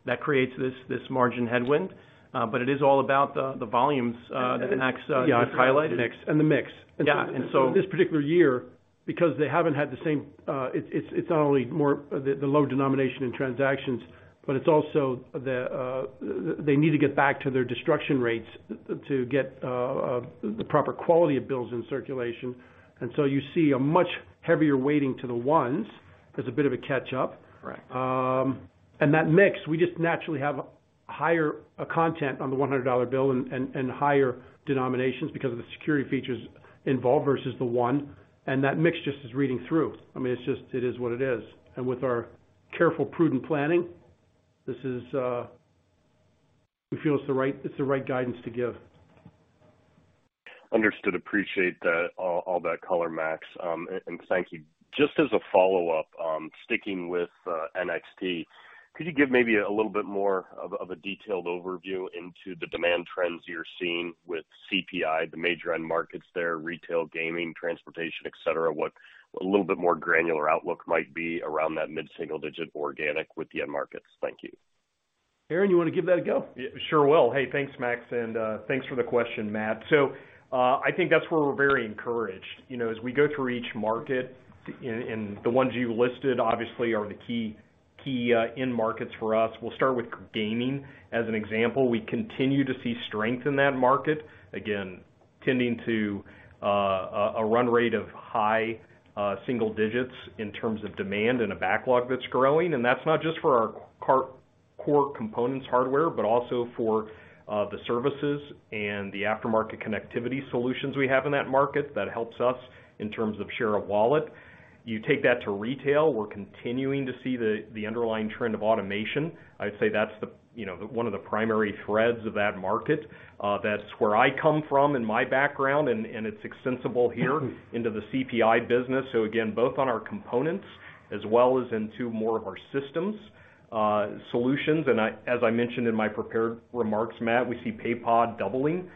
that creates this margin headwind. It is all about the volumes that Max just highlighted. Yeah, the mix. The mix. Yeah. And so- This particular year, because they haven't had the same. It's not only more the low denomination in transactions, but it's also they need to get back to their destruction rates to get the proper quality of bills in circulation. You see a much heavier weighting to the ones. There's a bit of a catch-up. Correct. That mix, we just naturally have higher content on the $100 bill and higher denominations because of the security features involved versus the $1, and that mix just is reading through. I mean, it is what it is. With our careful, prudent planning, this is. We feel it's the right guidance to give. Understood. Appreciate that, all that color, Max, and thank you. Just as a follow-up, sticking with NXT, could you give maybe a little bit more of a detailed overview into the demand trends you're seeing with CPI, the major end markets there, retail, gaming, transportation, et cetera? What a little bit more granular outlook might be around that mid-single digit organic with the end markets? Thank you. Aaron, you wanna give that a go? Yeah. Sure will. Hey, thanks, Max, thanks for the question, Matt. I think that's where we're very encouraged. You know, as we go through each market, and the ones you listed obviously are the key end markets for us. We'll start with gaming as an example. We continue to see strength in that market. Again, tending to a run rate of high single digits in terms of demand and a backlog that's growing, and that's not just for our core components hardware, but also for the services and the aftermarket connectivity solutions we have in that market that helps us in terms of share of wallet. You take that to retail, we're continuing to see the underlying trend of automation. I'd say that's the one of the primary threads of that market. That's where I come from in my background, and it's extensible here into the CPI business. Again, both on our components as well as into more of our systems, solutions. As I mentioned in my prepared remarks, Matt, we see Paypod doubling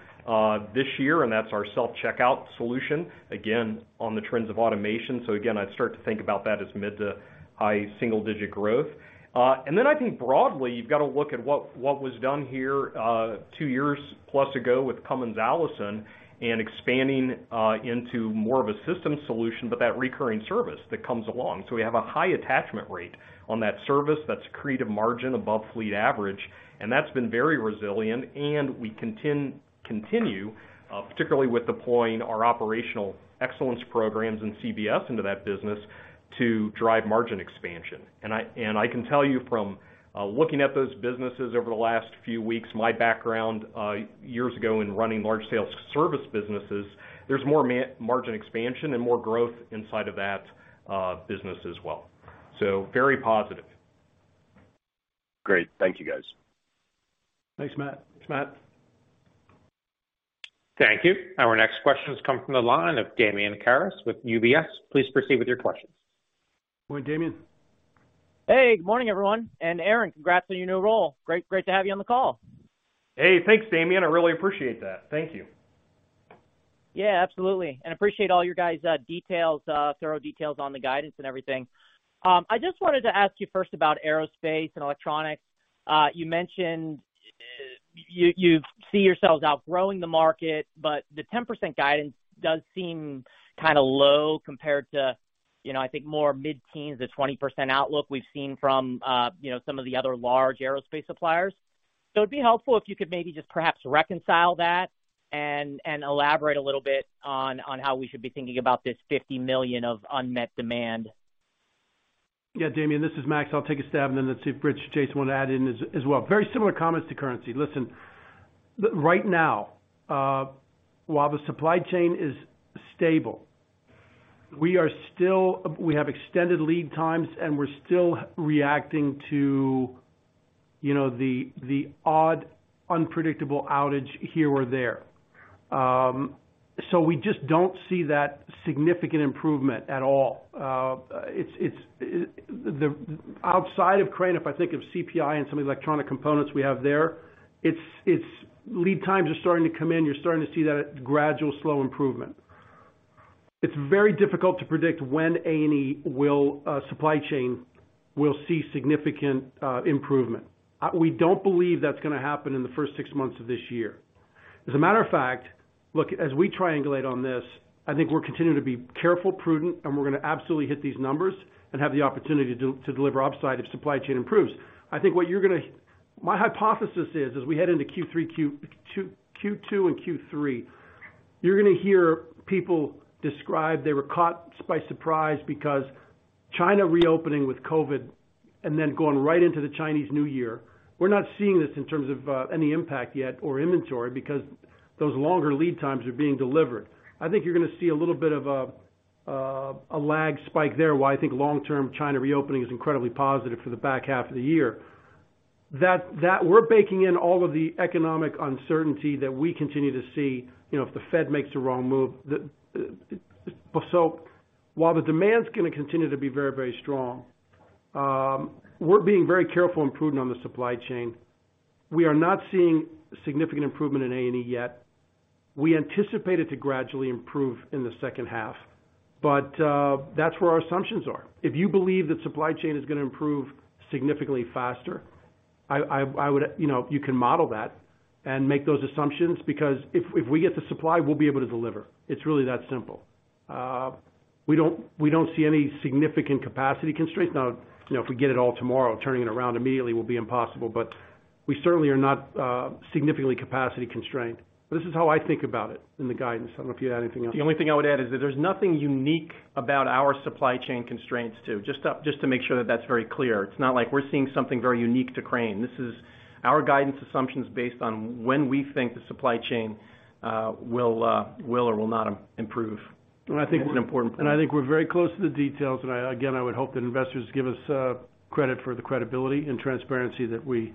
this year, and that's our self-checkout solution, again, on the trends of automation. Again, I'd start to think about that as mid to high single digit growth. I think broadly, you've got to look at what was done here, two years plus ago with Cummins Allison and expanding into more of a system solution, but that recurring service that comes along. We have a high attachment rate on that service that's accretive margin above fleet average, and that's been very resilient, and we continue, particularly with deploying our operational excellence programs and CBS into that business to drive margin expansion. I can tell you from looking at those businesses over the last few weeks, my background years ago in running large sales service businesses, there's more margin expansion and more growth inside of that business as well. Very positive. Great. Thank you, guys. Thanks, Matt. Thanks, Matt. Thank you. Our next question comes from the line of Damian Karas with UBS. Please proceed with your question. Go on, Damian. Hey, good morning, everyone. Aaron, congrats on your new role. Great to have you on the call. Hey, thanks, Damian. I really appreciate that. Thank you. Yeah, absolutely. Appreciate all you guys', details, thorough details on the guidance and everything. I just wanted to ask you first about Aerospace & Electronics. You mentioned you see yourselves outgrowing the market, but the 10% guidance does seem kind of low compared to I think more mid-teens, the 20% outlook we've seen from some of the other large aerospace suppliers. It'd be helpful if you could maybe just perhaps reconcile that and elaborate a little bit on how we should be thinking about this $50 million of unmet demand. Yeah, Damian, this is Max. I'll take a stab and then let's see if Rich, Jason wanna add in as well. Very similar comments to currency. Listen, right now, while the supply chain is stable, we have extended lead times, and we're still reacting to the odd unpredictable outage here or there. We just don't see that significant improvement at all. It's outside of Crane, if I think of CPI and some of the electronic components we have there, it's lead times are starting to come in. You're starting to see that gradual slow improvement. It's very difficult to predict when A&E will supply chain will see significant improvement. We don't believe that's gonna happen in the first 6 months of this year. As a matter of fact, look, as we triangulate on this, I think we're continuing to be careful, prudent, and we're gonna absolutely hit these numbers and have the opportunity to deliver upside if supply chain improves. My hypothesis is, as we head into Q3, Q2 and Q3, you're gonna hear people describe they were caught by surprise because China reopening with COVID and then going right into the Chinese New Year, we're not seeing this in terms of any impact yet or inventory because those longer lead times are being delivered. I think you're gonna see a little bit of a lag spike there why I think long-term China reopening is incredibly positive for the back half of the year. That we're baking in all of the economic uncertainty that we continue to see if the Fed makes a wrong move. While the demand is gonna continue to be very, very strong, we're being very careful improving on the supply chain. We are not seeing significant improvement in A&E yet. We anticipate it to gradually improve in the second half, but that's where our assumptions are. If you believe that supply chain is gonna improve significantly faster, I would... You know, you can model that and make those assumptions because if we get the supply, we'll be able to deliver. It's really that simple. We don't see any significant capacity constraints. You know, if we get it all tomorrow, turning it around immediately will be impossible, but we certainly are not significantly capacity constrained. This is how I think about it in the guidance. I don't know if you had anything else. The only thing I would add is that there's nothing unique about our supply chain constraints too. Just to make sure that that's very clear. It's not like we're seeing something very unique to Crane. This is our guidance assumptions based on when we think the supply chain will or will not improve. I think- It's an important point. I think we're very close to the details. Again, I would hope that investors give us credit for the credibility and transparency that we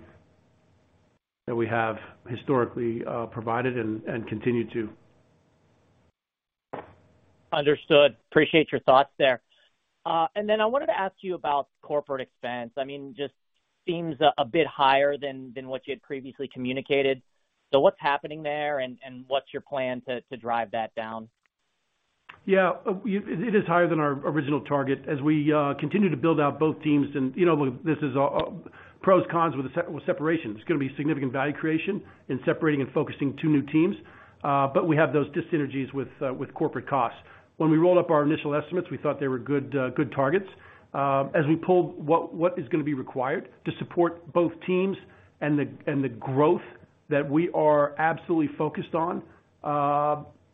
have historically provided and continue to. Understood. Appreciate your thoughts there. I wanted to ask you about corporate expense. I mean, just seems a bit higher than what you had previously communicated. What's happening there and what's your plan to drive that down? It is higher than our original target. As we continue to build out both teams, and this is pros, cons with separation. It's gonna be significant value creation in separating and focusing two new teams. We have those dyssynergies with corporate costs. When we roll up our initial estimates, we thought they were good targets. As we pulled what is gonna be required to support both teams and the growth that we are absolutely focused on,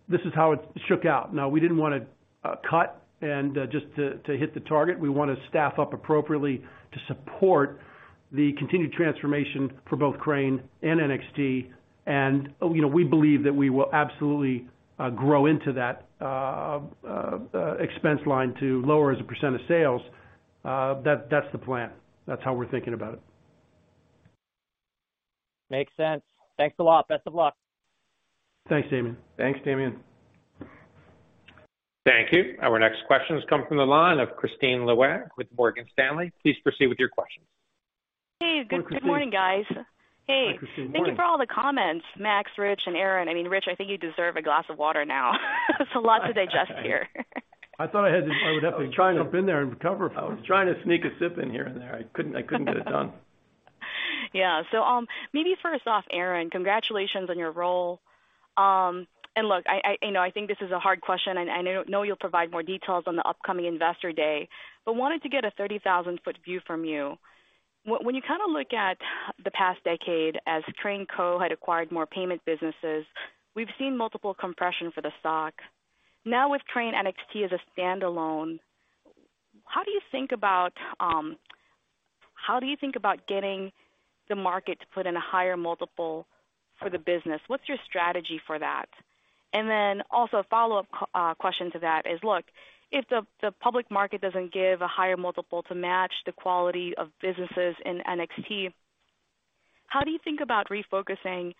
this is how it shook out. We didn't wanna cut and just to hit the target. We wanna staff up appropriately to support the continued transformation for both Crane and NXT. You know, we believe that we will absolutely, grow into that, expense line to lower as a % of sales. That's the plan. That's how we're thinking about it. Makes sense. Thanks a lot. Best of luck. Thanks, Damian. Thanks, Damian. Thank you. Our next question has come from the line of Christine Lu with Morgan Stanley. Please proceed with your questions. Hey, good morning, guys. Hi, Christine. Hi, Christine. Morning. Hey. Thank you for all the comments, Max, Rich, and Aaron. I mean, Rich, I think you deserve a glass of water now. It's a lot to digest here. I thought I would have to jump in there and recover. I was trying to sneak a sip in here and there. I couldn't get it done. Yeah. maybe first off, Aaron, congratulations on your role. Look, I... You know, I think this is a hard question, and I know you'll provide more details on the upcoming Investor Day, but wanted to get a 30,000-foot view from you. When you kinda look at the past decade as Crane Co had acquired more payment businesses, we've seen multiple compression for the stock. Now with Crane NXT as a standalone, how do you think about getting the market to put in a higher multiple for the business? What's your strategy for that? Also a follow-up question to that is, look, if the public market doesn't give a higher multiple to match the quality of businesses in NXT, how do you think about refocusing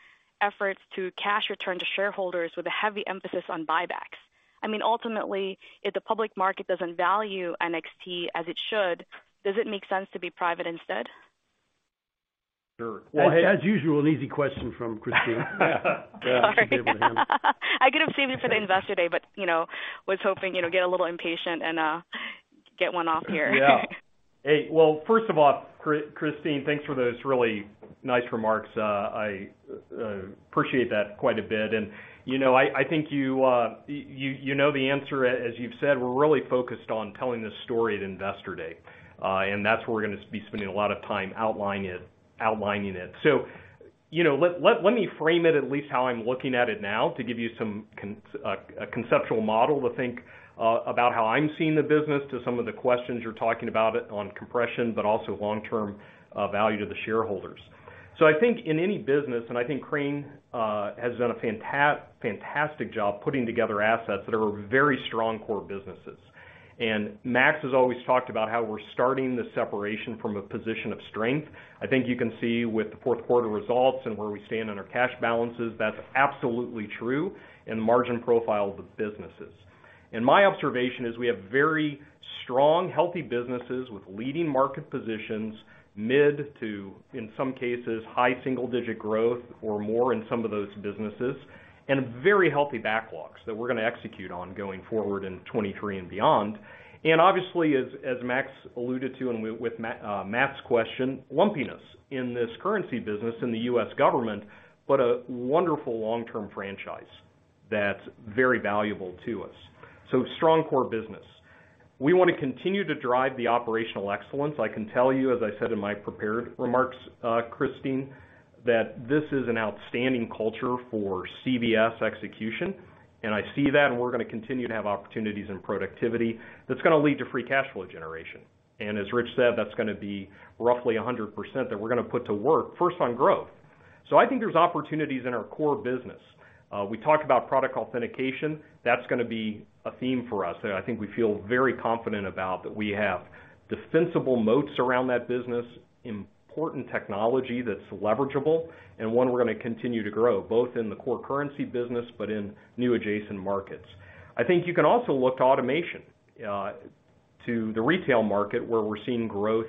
efforts to cash return to shareholders with a heavy emphasis on buybacks? I mean, ultimately, if the public market doesn't value NXT as it should, does it make sense to be private instead? Sure. Well, as usual, an easy question from Christine. All right. She'll be able to handle it. I could have saved it for the Investor Day, but was hoping get a little impatient and get one off here. Yeah. Hey, well, first of all, Christine, thanks for those really nice remarks. I appreciate that quite a bit. You know, I think you know the answer. As you've said, we're really focused on telling this story at Investor Day, that's where we're gonna be spending a lot of time outlining it. You know, let me frame it at least how I'm looking at it now to give you a conceptual model to think about how I'm seeing the business to some of the questions you're talking about it on compression, also long-term value to the shareholders. I think in any business, I think Crane has done a fantastic job putting together assets that are very strong core businesses. Max has always talked about how we're starting the separation from a position of strength. I think you can see with the fourth quarter results and where we stand on our cash balances, that's absolutely true in margin profile of the businesses. My observation is we have very strong, healthy businesses with leading market positions, mid to, in some cases, high single-digit growth or more in some of those businesses, and very healthy backlogs that we're going to execute on going forward in 2023 and beyond. Obviously, as Max alluded to and with Matt's question, lumpiness in this currency business in the U.S. government, but a wonderful long-term franchise that's very valuable to us. Strong core business. We want to continue to drive the operational excellence. I can tell you, as I said in my prepared remarks, Christine, that this is an outstanding culture for CBS execution, and I see that, and we're gonna continue to have opportunities in productivity that's gonna lead to free cash flow generation. As Rich said, that's gonna be roughly 100% that we're gonna put to work first on growth. I think there's opportunities in our core business. We talked about product authentication. That's gonna be a theme for us that I think we feel very confident about, that we have defensible moats around that business, important technology that's leverageable, and one we're gonna continue to grow, both in the core currency business but in new adjacent markets. I think you can also look to automation, to the retail market, where we're seeing growth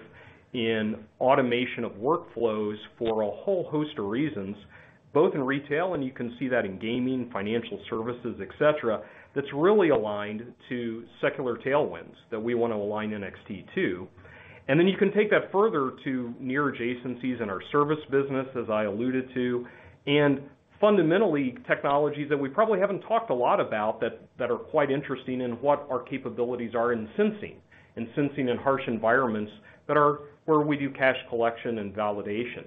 in automation of workflows for a whole host of reasons, both in retail, and you can see that in gaming, financial services, et cetera, that's really aligned to secular tailwinds that we wanna align NXT to. You can take that further to near adjacencies in our service business, as I alluded to, and fundamentally technologies that we probably haven't talked a lot about that are quite interesting in what our capabilities are in sensing, in sensing in harsh environments that are where we do cash collection and validation.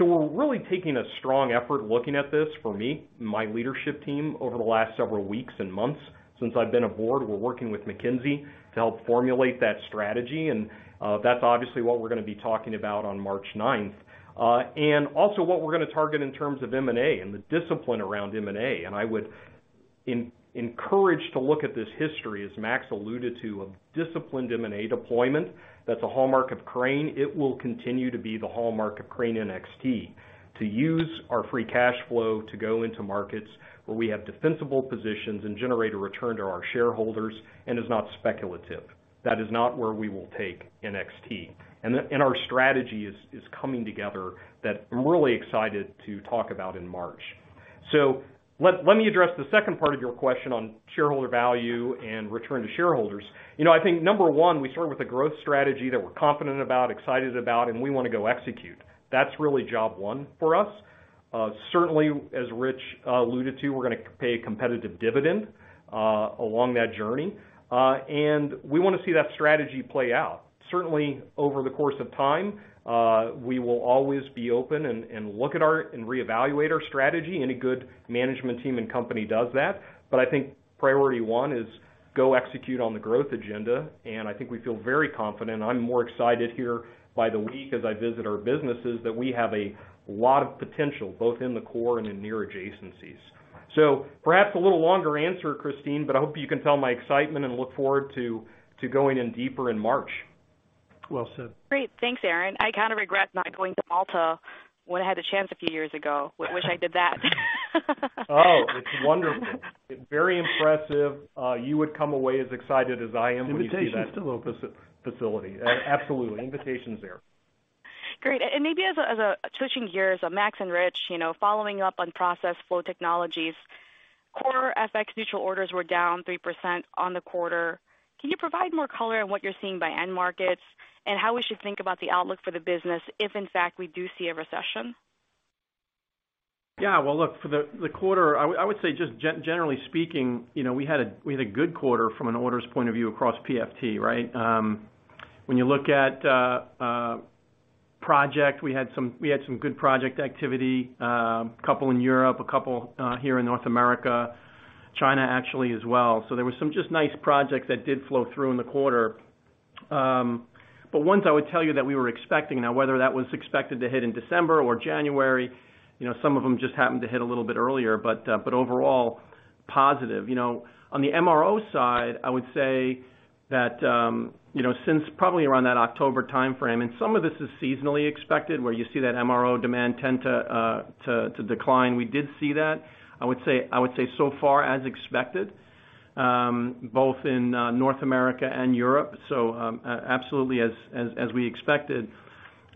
We're really taking a strong effort looking at this for me and my leadership team over the last several weeks and months since I've been aboard. We're working with McKinsey to help formulate that strategy, that's obviously what we're gonna be talking about on March ninth. Also what we're gonna target in terms of M&A and the discipline around M&A. I would encourage to look at this history, as Max alluded to, of disciplined M&A deployment. That's a hallmark of Crane. It will continue to be the hallmark of Crane NXT, to use our free cash flow to go into markets where we have defensible positions and generate a return to our shareholders and is not speculative. That is not where we will take NXT. Our strategy is coming together that I'm really excited to talk about in March. Let me address the second part of your question on shareholder value and return to shareholders. You know, I think, number one, we start with a growth strategy that we're confident about, excited about, and we wanna go execute. That's really job one for us. Certainly, as Rich alluded to, we're gonna pay a competitive dividend along that journey. We wanna see that strategy play out. Certainly, over the course of time, we will always be open and reevaluate our strategy. Any good management team and company does that. I think priority one is go execute on the growth agenda, and I think we feel very confident. I'm more excited here by the week as I visit our businesses that we have a lot of potential, both in the core and in near adjacencies. Perhaps a little longer answer, Christine, but I hope you can tell my excitement and look forward to going in deeper in March. Well said. Great. Thanks, Aaron. I kinda regret not going to Malta when I had the chance a few years ago. Wish I did that. Oh, it's wonderful. Very impressive. You would come away as excited as I am when you see that. Invitation still open.... facility. absolutely. Invitation's there. Great. Maybe as a switching gears, Max and Rich following up on Process Flow Technologies, core FX neutral orders were down 3% on the quarter. Can you provide more color on what you're seeing by end markets and how we should think about the outlook for the business if in fact we do see a recession? Yeah. Well, look, for the quarter, I would say just generally speaking we had a good quarter from an orders point of view across PFT, right? When you look at project, we had some good project activity, a couple in Europe, a couple here in North America, China actually as well. There were some just nice projects that did flow through in the quarter. Ones I would tell you that we were expecting. Now whether that was expected to hit in December or January some of them just happened to hit a little bit earlier, overall, positive. You know, on the MRO side, I would say that since probably around that October timeframe, and some of this is seasonally expected, where you see that MRO demand tend to decline. We did see that, I would say so far as expected, both in North America and Europe, absolutely as we expected.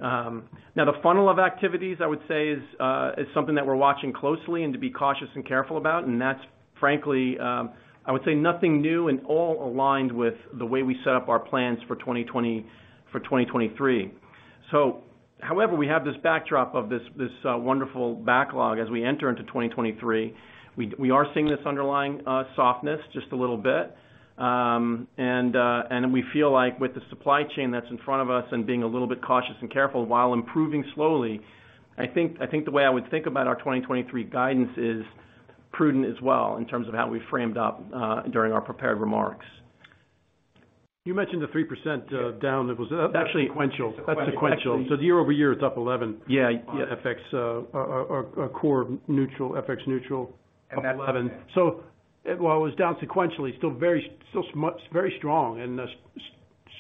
Now the funnel of activities I would say is something that we're watching closely and to be cautious and careful about, and that's frankly, I would say nothing new and all aligned with the way we set up our plans for 2023. However, we have this backdrop of this wonderful backlog as we enter into 2023. We are seeing this underlying softness just a little bit. We feel like with the supply chain that's in front of us and being a little bit cautious and careful while improving slowly, I think the way I would think about our 2023 guidance is prudent as well in terms of how we framed up during our prepared remarks. You mentioned the 3% down. Actually- That's sequential. That's sequential. Year over year, it's up 11%. Yeah. Yeah. On FX, or core neutral, FX neutral. Up 11. while it was down sequentially, still very, very strong and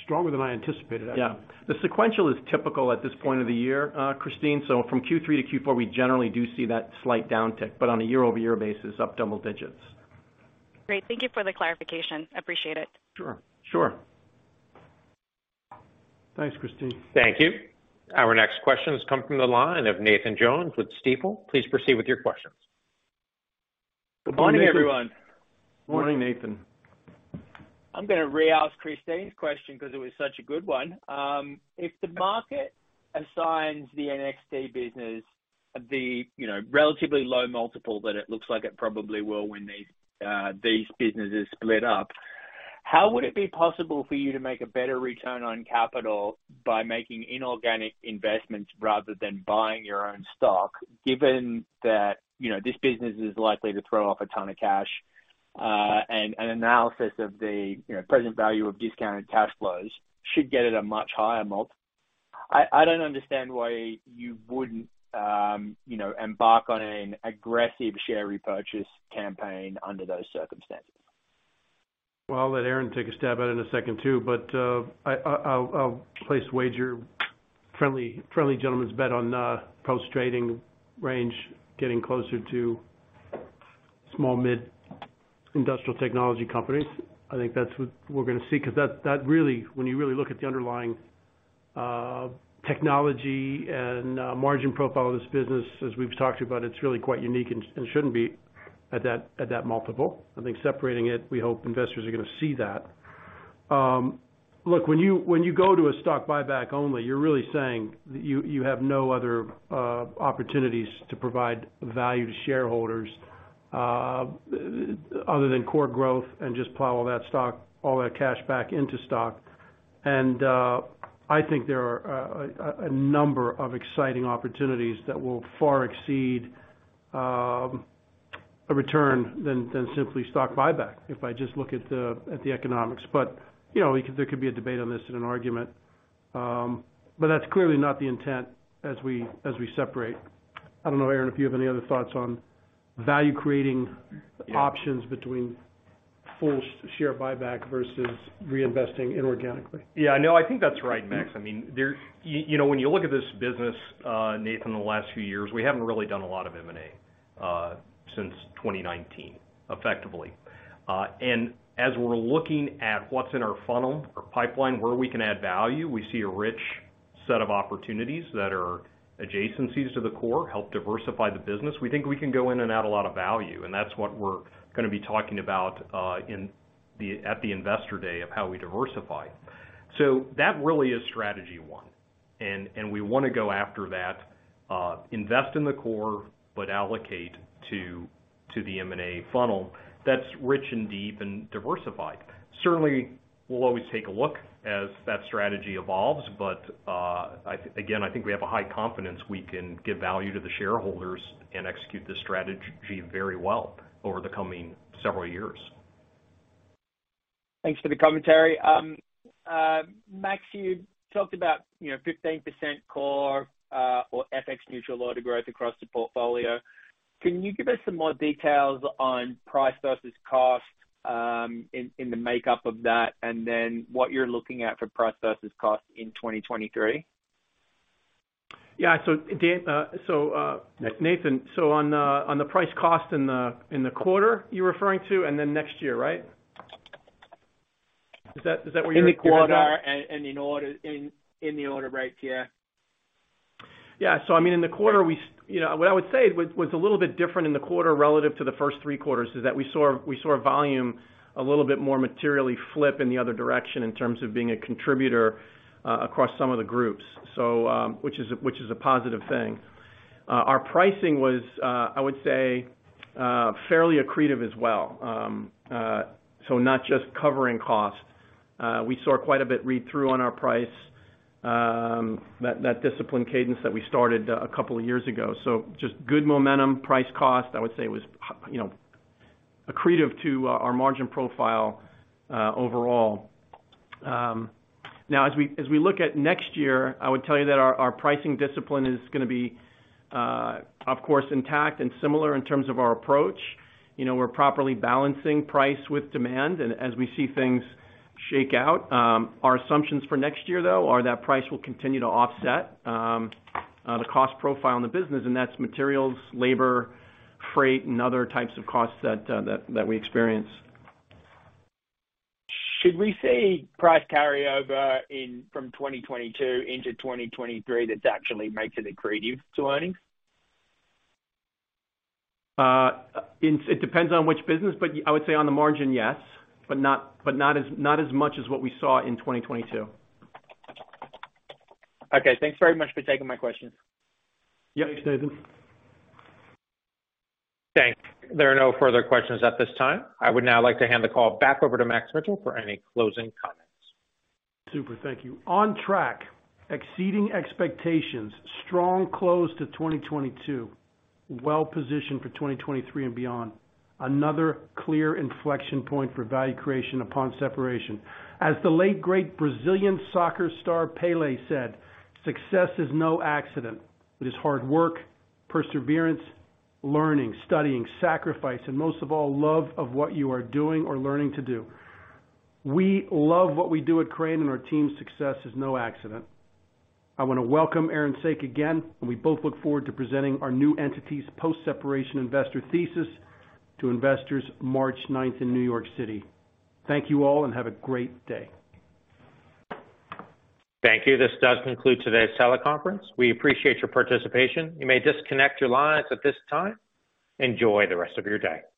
stronger than I anticipated, actually. Yeah. The sequential is typical at this point of the year, Christine. From Q3 to Q4, we generally do see that slight downtick, but on a year-over-year basis, up double digits. Great. Thank you for the clarification. Appreciate it. Sure. Sure. Thanks, Christine. Thank you. Our next questions come from the line of Nathan Jones with Stifel. Please proceed with your questions. Good morning. Good morning, everyone. Morning, Nathan. I'm gonna re-ask Christine's question 'cause it was such a good one. If the market assigns the NXT business the relatively low multiple that it looks like it probably will when these businesses split up, how would it be possible for you to make a better return on capital by making inorganic investments rather than buying your own stock, given that this business is likely to throw off a ton of cash? Analysis of the present value of discounted cash flows should get at a much higher mult. I don't understand why you wouldn't embark on an aggressive share repurchase campaign under those circumstances. I'll let Aaron take a stab at it in a second too, but I'll place a wager, friendly gentleman's bet on post-trading range getting closer to small, mid industrial technology companies. I think that's what we're gonna see, 'cause that really when you really look at the underlying technology and margin profile of this business as we've talked about, it's really quite unique and shouldn't be at that multiple. I think separating it, we hope investors are gonna see that. Look, when you go to a stock buyback only, you're really saying you have no other opportunities to provide value to shareholders other than core growth and just plow all that stock, all that cash back into stock. I think there are a number of exciting opportunities that will far exceed a return than simply stock buyback, if I just look at the economics. You know, there could be a debate on this and an argument. That's clearly not the intent as we separate. I don't know, Aaron Saak, if you have any other thoughts on value creating options between full share buyback versus reinvesting inorganically. Yeah, no, I think that's right, Max. I mean when you look at this business, Nathan, the last few years, we haven't really done a lot of M&A since 2019, effectively. As we're looking at what's in our funnel or pipeline, where we can add value, we see a rich set of opportunities that are adjacencies to the core, help diversify the business. We think we can go in and add a lot of value, and that's what we're gonna be talking about at the Investor Day of how we diversify. That really is strategy 1. We wanna go after that, invest in the core, but allocate to the M&A funnel that's rich and deep and diversified. We'll always take a look as that strategy evolves, again, I think we have a high confidence we can give value to the shareholders and execute this strategy very well over the coming several years. Thanks for the commentary. Max, you talked about 15% core, or FX neutral order growth across the portfolio. Can you give us some more details on price versus cost, in the makeup of that, and then what you're looking at for price versus cost in 2023? Yeah. Dan, Nathan, on the price cost in the quarter you're referring to and then next year, right? Is that where you're... In the quarter and in the order rate, yeah. I mean, in the quarter, we you know, what I would say was a little bit different in the quarter relative to the first three quarters is that we saw volume a little bit more materially flip in the other direction in terms of being a contributor, across some of the groups, so, which is a positive thing. Our pricing was, I would say, fairly accretive as well. Not just covering costs. We saw quite a bit read through on our price, that discipline cadence that we started a couple of years ago. Just good momentum, price-cost, I would say was accretive to our margin profile, overall. Now as we look at next year, I would tell you that our pricing discipline is gonna be, of course, intact and similar in terms of our approach. You know, we're properly balancing price with demand. As we see things shake out, our assumptions for next year, though, are that price will continue to offset the cost profile in the business, and that's materials, labor, freight, and other types of costs that we experience. Should we see price carryover in from 2022 into 2023 that actually makes it accretive to earnings? It depends on which business, but I would say on the margin, yes, but not as much as what we saw in 2022. Okay, thanks very much for taking my questions. Yeah. Thanks, Nathan. Thanks. There are no further questions at this time. I would now like to hand the call back over to Max Mitchell for any closing comments. Super. Thank you. On track, exceeding expectations, strong close to 2022, well positioned for 2023 and beyond. Another clear inflection point for value creation upon separation. As the late great Brazilian soccer star Pelé said, "Success is no accident. It is hard work, perseverance, learning, studying, sacrifice, and most of all, love of what you are doing or learning to do." We love what we do at Crane, and our team's success is no accident. I wanna welcome Aaron Saak again, and we both look forward to presenting our new entity's post-separation investor thesis to investors March 9th in New York City. Thank you all, and have a great day. Thank you. This does conclude today's teleconference. We appreciate your participation. You may disconnect your lines at this time. Enjoy the rest of your day.